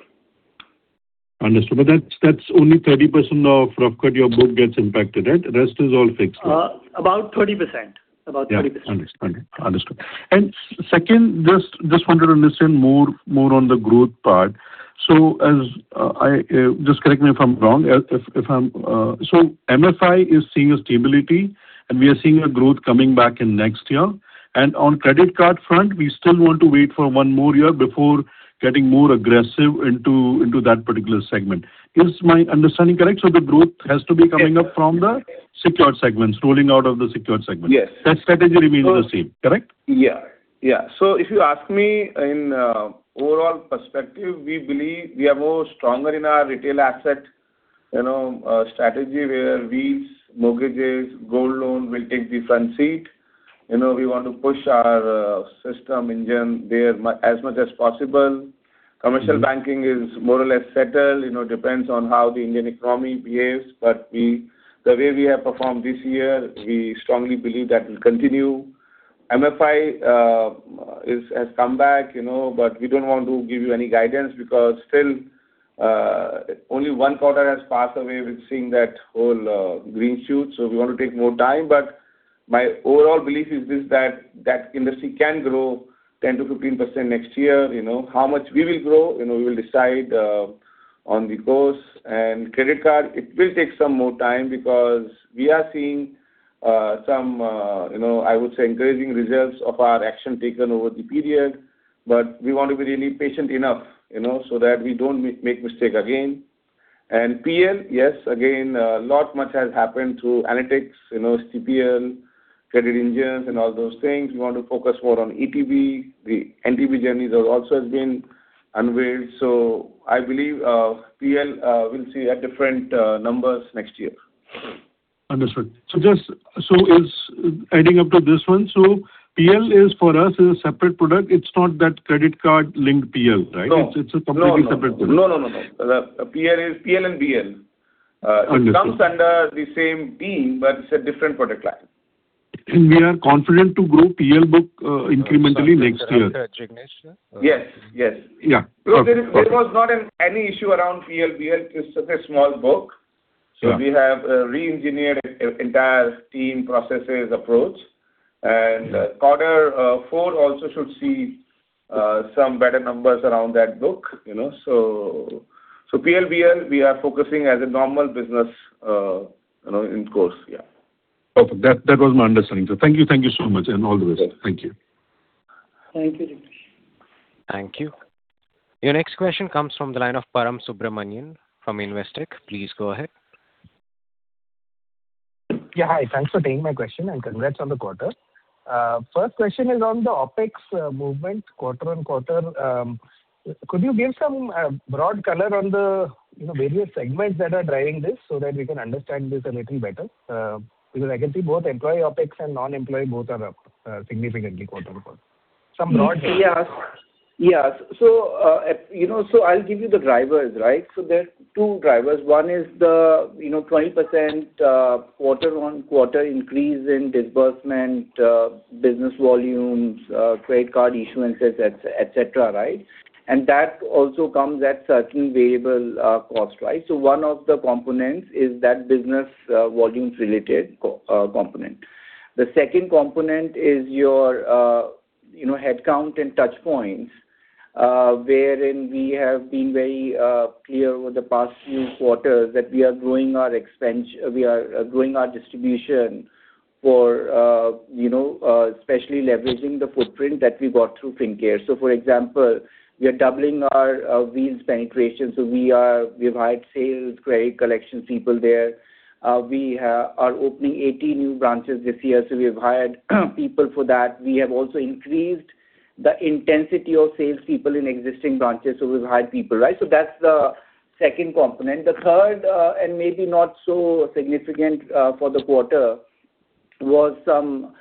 Understood. But that's only 30% of roughly your book gets impacted, right? Rest is all fixed, right? About 30%. About 30%. Yeah. Understood. Understood. And second, just wanted to understand more on the growth part. So just correct me if I'm wrong. So MFI is seeing a stability, and we are seeing a growth coming back in next year. And on credit card front, we still want to wait for one more year before getting more aggressive into that particular segment. Is my understanding correct? So the growth has to be coming up from the secured segments, rolling out of the secured segments. That strategy remains the same, correct? Yeah. Yeah. So if you ask me in overall perspective, we believe we are more stronger in our retail asset strategy where Wheels, mortgages, gold loan will take the front seat. We want to push our system engine there as much as possible. Commercial banking is more or less settled. It depends on how the Indian economy behaves. But the way we have performed this year, we strongly believe that will continue. MFI has come back, but we don't want to give you any guidance because still only one quarter has passed away. We're seeing that whole green shoot, so we want to take more time, but my overall belief is this: that industry can grow 10%-15% next year. How much we will grow, we will decide on the course, and credit card, it will take some more time because we are seeing some, I would say, encouraging results of our action taken over the period, but we want to be really patient enough so that we don't make mistake again, and PL, yes, again, a lot much has happened through analytics, CPL, credit engines, and all those things. We want to focus more on ETB. The NTB journey also has been unveiled, so I believe PL will see a different numbers next year. Understood. So just adding up to this one, so PL is for us a separate product. It's not that credit card linked PL, right? It's a completely separate product. No, no, no, no. PL and BL come under the same team, but it's a different product line. And we are confident to grow PL book incrementally next year. Yes. Yes. Yeah. There was not any issue around PL. BL is such a small book. So we have re-engineered entire team, processes, approach. And Quarter 4 also should see some better numbers around that book. So PL, BL, we are focusing as a normal business of course. Yeah. Okay. That was my understanding. So thank you. Thank you so much and all the best. Thank you. Thank you. Thank you. Your next question comes from the line of Param Subramanian from Investec. Please go ahead. Yeah. Hi. Thanks for taking my question and congrats on the quarter. First question is on the OPEX movement quarter on quarter. Could you give some broad color on the various segments that are driving this so that we can understand this a little better? Because I can see both employee OPEX and non-employee both are up significantly quarter on quarter. Some broad things. Yes. Yes. So I'll give you the drivers, right? So there are two drivers. One is the 20% quarter on quarter increase in disbursement, business volumes, credit card issuances, etc., right? And that also comes at certain variable cost, right? So one of the components is that business volume-related component. The second component is your headcount and touchpoints, wherein we have been very clear over the past few quarters that we are growing our expense. We are growing our distribution, especially leveraging the footprint that we got through Fincare. So for example, we are doubling our Wheels penetration. So we have hired sales, credit collection people there. We are opening 18 new branches this year. So we have hired people for that. We have also increased the intensity of salespeople in existing branches. So we've hired people, right? So that's the second component. The third, and maybe not so significant for the quarter, was some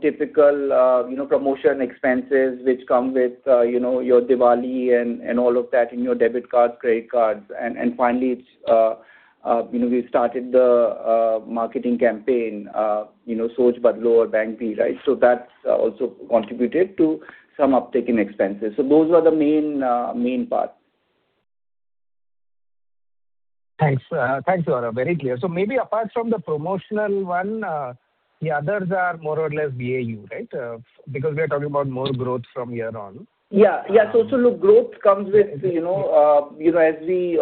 typical promotion expenses which come with your Diwali and all of that in your debit cards, credit cards. And finally, we started the marketing campaign, Soch Badlo, aur Bank Bhi, right? So that's also contributed to some uptake in expenses. So those are the main parts. Thanks. Thanks, you are very clear. So maybe apart from the promotional one, the others are more or less BAU, right? Because we are talking about more growth from year on. Yeah. Yeah. So to look, growth comes with, as we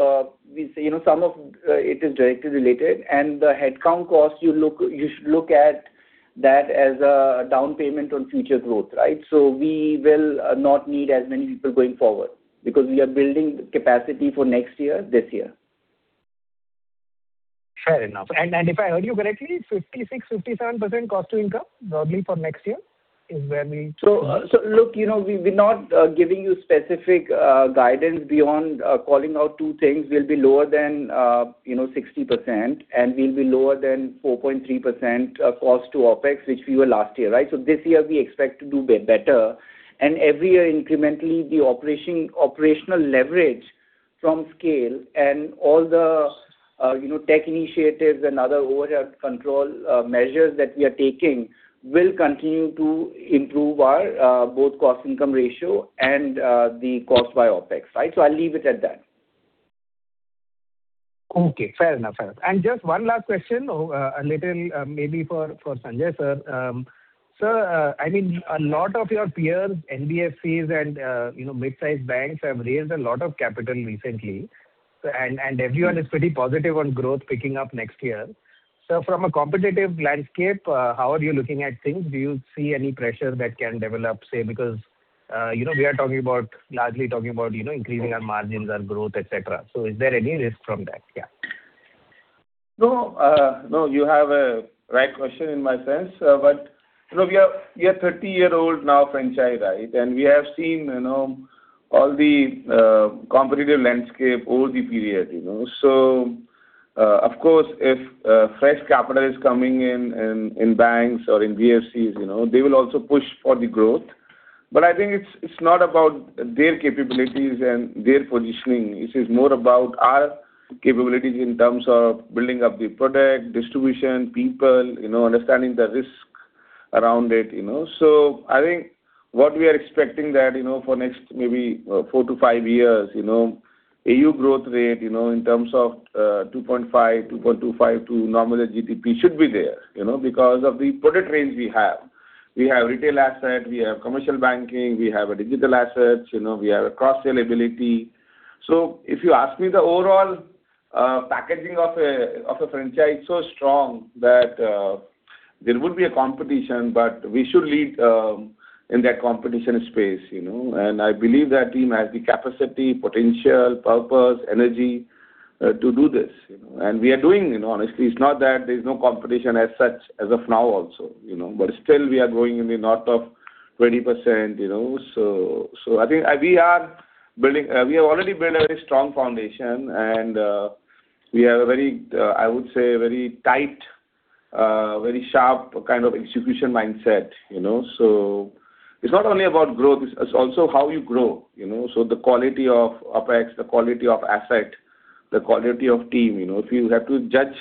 say, some of it is directly related. And the headcount cost, you should look at that as a down payment on future growth, right? So we will not need as many people going forward because we are building capacity for next year, this year. Fair enough. And if I heard you correctly, 56%-57% cost to income probably for next year is where we— So look, we're not giving you specific guidance beyond calling out two things. We'll be lower than 60%, and we'll be lower than 4.3% cost to OPEX, which we were last year, right? So this year, we expect to do better. And every year, incrementally, the operational leverage from scale and all the tech initiatives and other overhead control measures that we are taking will continue to improve our both cost-income ratio and the cost by OPEX, right? So I'll leave it at that. Okay. Fair enough. Fair enough. And just one last question, a little maybe for Sanjay sir. Sir, I mean, a lot of your peers, NBFCs and mid-size banks, have raised a lot of capital recently, and everyone is pretty positive on growth picking up next year. So from a competitive landscape, how are you looking at things? Do you see any pressure that can develop, say, because we are talking about largely talking about increasing our margins, our growth, etc.? So is there any risk from that? Yeah. No, no. You have a right question in my sense. But we are 30 years old now, Franchai, right? And we have seen all the competitive landscape over the period. So of course, if fresh capital is coming in banks or in BFCs, they will also push for the growth. But I think it's not about their capabilities and their positioning. It is more about our capabilities in terms of building up the product, distribution, people, understanding the risk around it. So I think what we are expecting that for next maybe four to five years, AU growth rate in terms of 2.5, 2.25 to normal GDP should be there because of the product range we have. We have retail assets. We have commercial banking. We have digital assets. We have cross-sale ability. So if you ask me the overall packaging of a franchise, it's so strong that there would be a competition, but we should lead in that competition space. And I believe that team has the capacity, potential, purpose, energy to do this. And we are doing it. Honestly, it's not that there is no competition as such as of now also. But still, we are going in the north of 20%. So I think we are building we have already built a very strong foundation, and we have a very, I would say, very tight, very sharp kind of execution mindset. So it's not only about growth. It's also how you grow. So the quality of OPEX, the quality of asset, the quality of team. If you have to judge,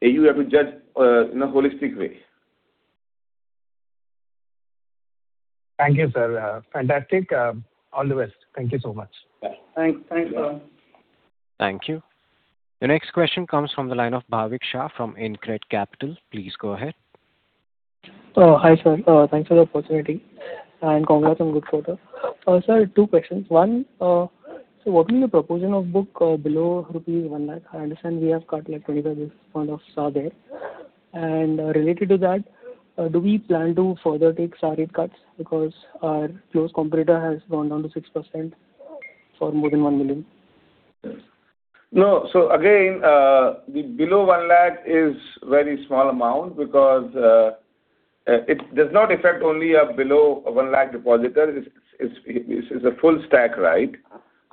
you have to judge in a holistic way. Thank you, sir. Fantastic. All the best. Thank you so much. Thanks. Thanks, sir. Thank you. The next question comes from the line of Bhavik Shah from InCred Capital. Please go ahead. Hi, sir. Thanks for the opportunity and congrats on good quarter. Sir, two questions. One, so what will be the proposal of book below Rs 1 lakh? I understand we have cut like 25% of savings. And related to that, do we plan to further take savings cuts because our close competitor has gone down to 6% for more than 1 million? No. So again, the below 1 lakh is a very small amount because it does not affect only a below 1 lakh depositor. It's a full stack, right?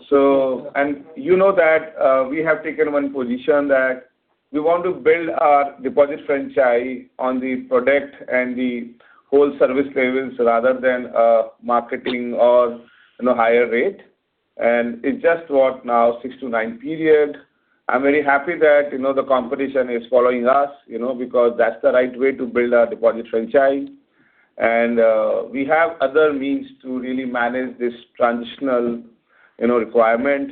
And you know that we have taken one position that we want to build our deposit franchise on the product and the whole service levels rather than marketing or a higher rate. And it's just what now, 6-to-9 period. I'm very happy that the competition is following us because that's the right way to build our deposit franchise. And we have other means to really manage this transitional requirement.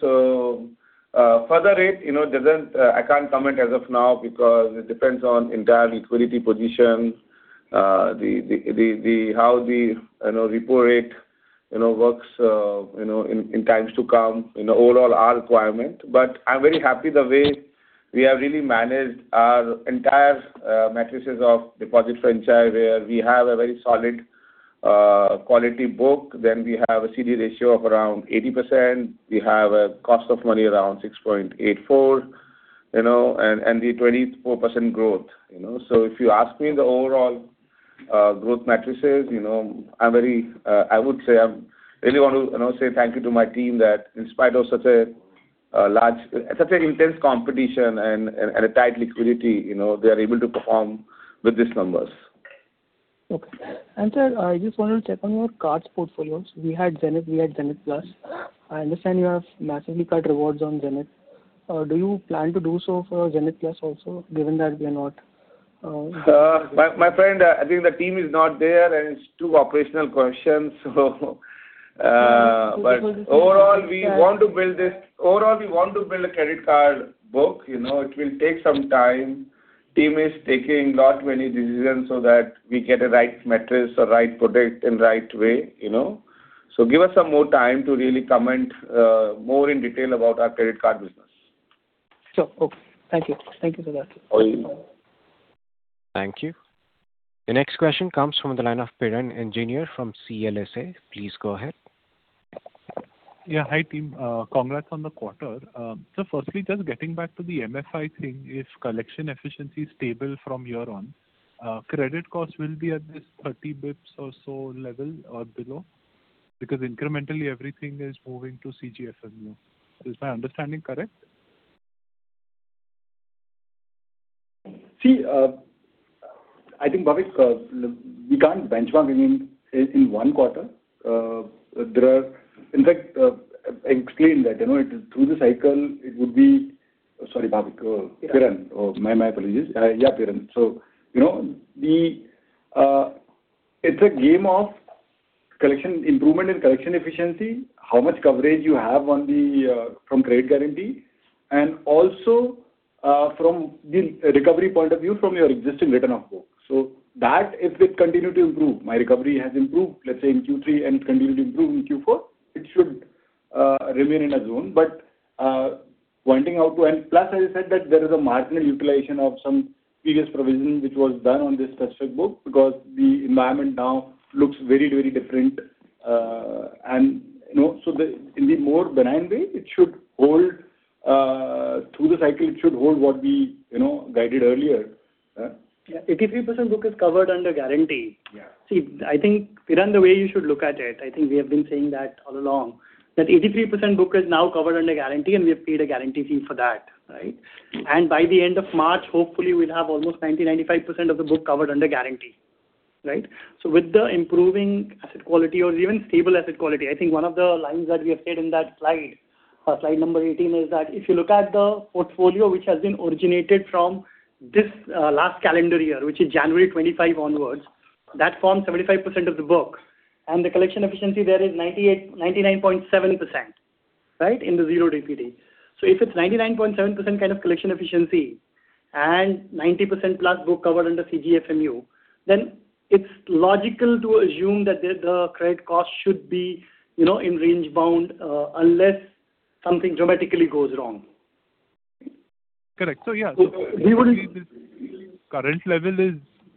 So further rate, I can't comment as of now because it depends on entire liquidity position, how the repo rate works in times to come, overall our requirement. But I'm very happy the way we have really managed our entire metrics of deposit franchise where we have a very solid quality book. Then we have a CD ratio of around 80%. We have a cost of money around 6.84% and the 24% growth. So if you ask me the overall growth metrics, I would say I really want to say thank you to my team that in spite of such a large, such an intense competition and a tight liquidity, they are able to perform with these numbers. Okay. And sir, I just wanted to check on your card portfolios. We had Zenith. We had Zenith Plus. I understand you have massively cut rewards on Zenith. Do you plan to do so for Zenith Plus also, given that we are not? My friend, I think the team is not there, and it's too operational question. So overall, we want to build a credit card book. It will take some time. Team is taking a lot many decisions so that we get a right mix or right product in the right way. So give us some more time to really comment more in detail about our credit card business. Sure. Okay. Thank you. Thank you for that. Thank you. The next question comes from the line of Piran Engineer from CLSA. Please go ahead. Yeah. Hi, team. Congrats on the quarter. So firstly, just getting back to the MFI thing, if collection efficiency is stable from year on, credit cost will be at this 30 basis points or so level or below because incrementally, everything is moving to CGFMU. Is my understanding correct? See, I think, Bhavik, we can't benchmark in one quarter. In fact, I explained that through the cycle, it would be, sorry, Bhavik. Piran, my apologies. Yeah, Piran. So it's a game of improvement in collection efficiency, how much coverage you have from credit guarantee, and also from the recovery point of view from your existing written-off book. So that, if it continued to improve, my recovery has improved, let's say in Q3, and it continued to improve in Q4, it should remain in a zone. But pointing out to, and plus, as I said, that there is a marginal utilization of some previous provision which was done on this specific book because the environment now looks very, very different. And so in the more benign way, it should hold through the cycle. It should hold what we guided earlier. Yeah. 83% book is covered under guarantee. See, I think, Piran the way you should look at it, I think we have been saying that all along, that 83% book is now covered under guarantee, and we have paid a guarantee fee for that, right? And by the end of March, hopefully, we'll have almost 90%-95% of the book covered under guarantee, right? With the improving asset quality or even stable asset quality, I think one of the lines that we have said in that slide, slide number 18, is that if you look at the portfolio which has been originated from this last calendar year, which is January 2025 onwards, that forms 75% of the book. And the collection efficiency there is 99.7%, right, in the zero DPD. So if it's 99.7% kind of collection efficiency and 90% plus book covered under CGFMU, then it's logical to assume that the credit cost should be in range bound unless something dramatically goes wrong. Correct. So yeah. So current level is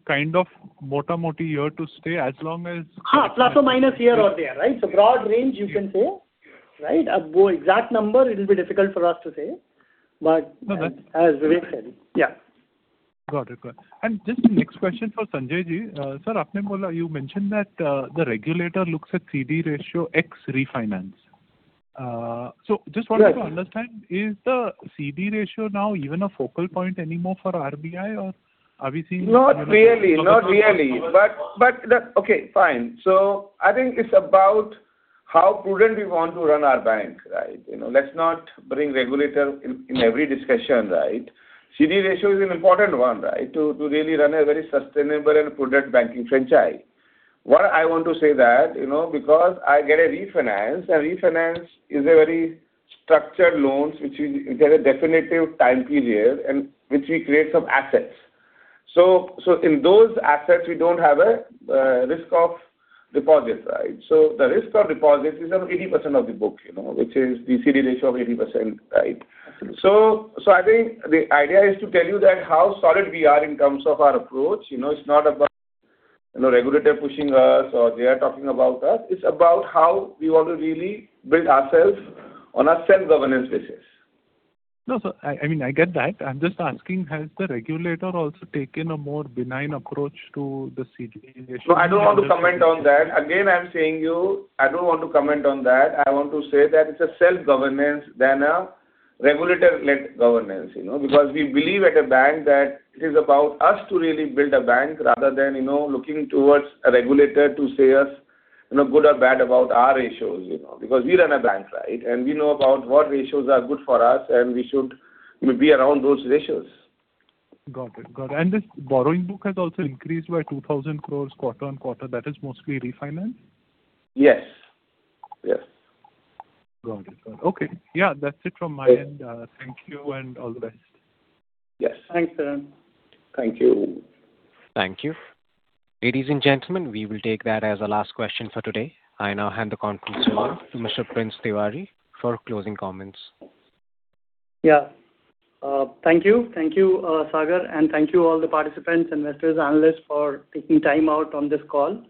kind of mota-mota way to stay as long as. Ha, plus or minus here or there, right? So broad range, you can say, right? A more exact number, it will be difficult for us to say. But as Vivek said, yeah. Got it. Got it. And just the next question for Sanjay ji. Sir, you mentioned that the regulator looks at CD ratio X refinance. So just wanted to understand, is the CD ratio now even a focal point anymore for RBI, or are we seeing? Not really. Not really. But okay, fine. So I think it's about how prudent we want to run our bank, right? Let's not bring regulator in every discussion, right? CD ratio is an important one, right, to really run a very sustainable and prudent banking franchise. Why I want to say that? Because I get a refinance, and refinance is a very structured loan, which has a definitive time period, and which we create some assets. So in those assets, we don't have a risk of deposit, right? So the risk of deposit is 80% of the book, which is the CD ratio of 80%, right? I think the idea is to tell you that how solid we are in terms of our approach. It's not about the regulator pushing us or they are talking about us. It's about how we want to really build ourselves on a self-governance basis. No, sir. I mean, I get that. I'm just asking, has the regulator also taken a more benign approach to the CD ratio? I don't want to comment on that. Again, I'm saying you, I don't want to comment on that. I want to say that it's a self-governance than a regulator-led governance because we believe at a bank that it is about us to really build a bank rather than looking towards a regulator to say us good or bad about our ratios because we run a bank, right? And we know about what ratios are good for us, and we should be around those ratios. Got it. Got it. And this borrowing book has also increased by 2,000 crores quarter on quarter. That is mostly refinance? Yes. Yes. Got it. Got it. Okay. Yeah. That's it from my end. Thank you and all the best. Yes. Thanks, sir. Thank you. Thank you. Ladies and gentlemen, we will take that as a last question for today. I now hand the conference over to Mr. Prince Tiwari for closing comments. Yeah. Thank you. Thank you, Sagar, and thank you all the participants, investors, analysts for taking time out on this call.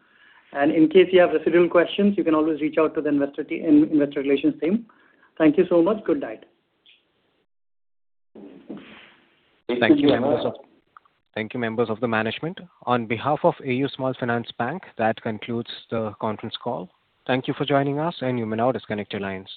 And in case you have residual questions, you can always reach out to the investor relations team. Thank you so much. Good night. Thank you, members. Thank you, members of the management. On behalf of AU Small Finance Bank, that concludes the conference call. Thank you for joining us, and you may now disconnect your lines.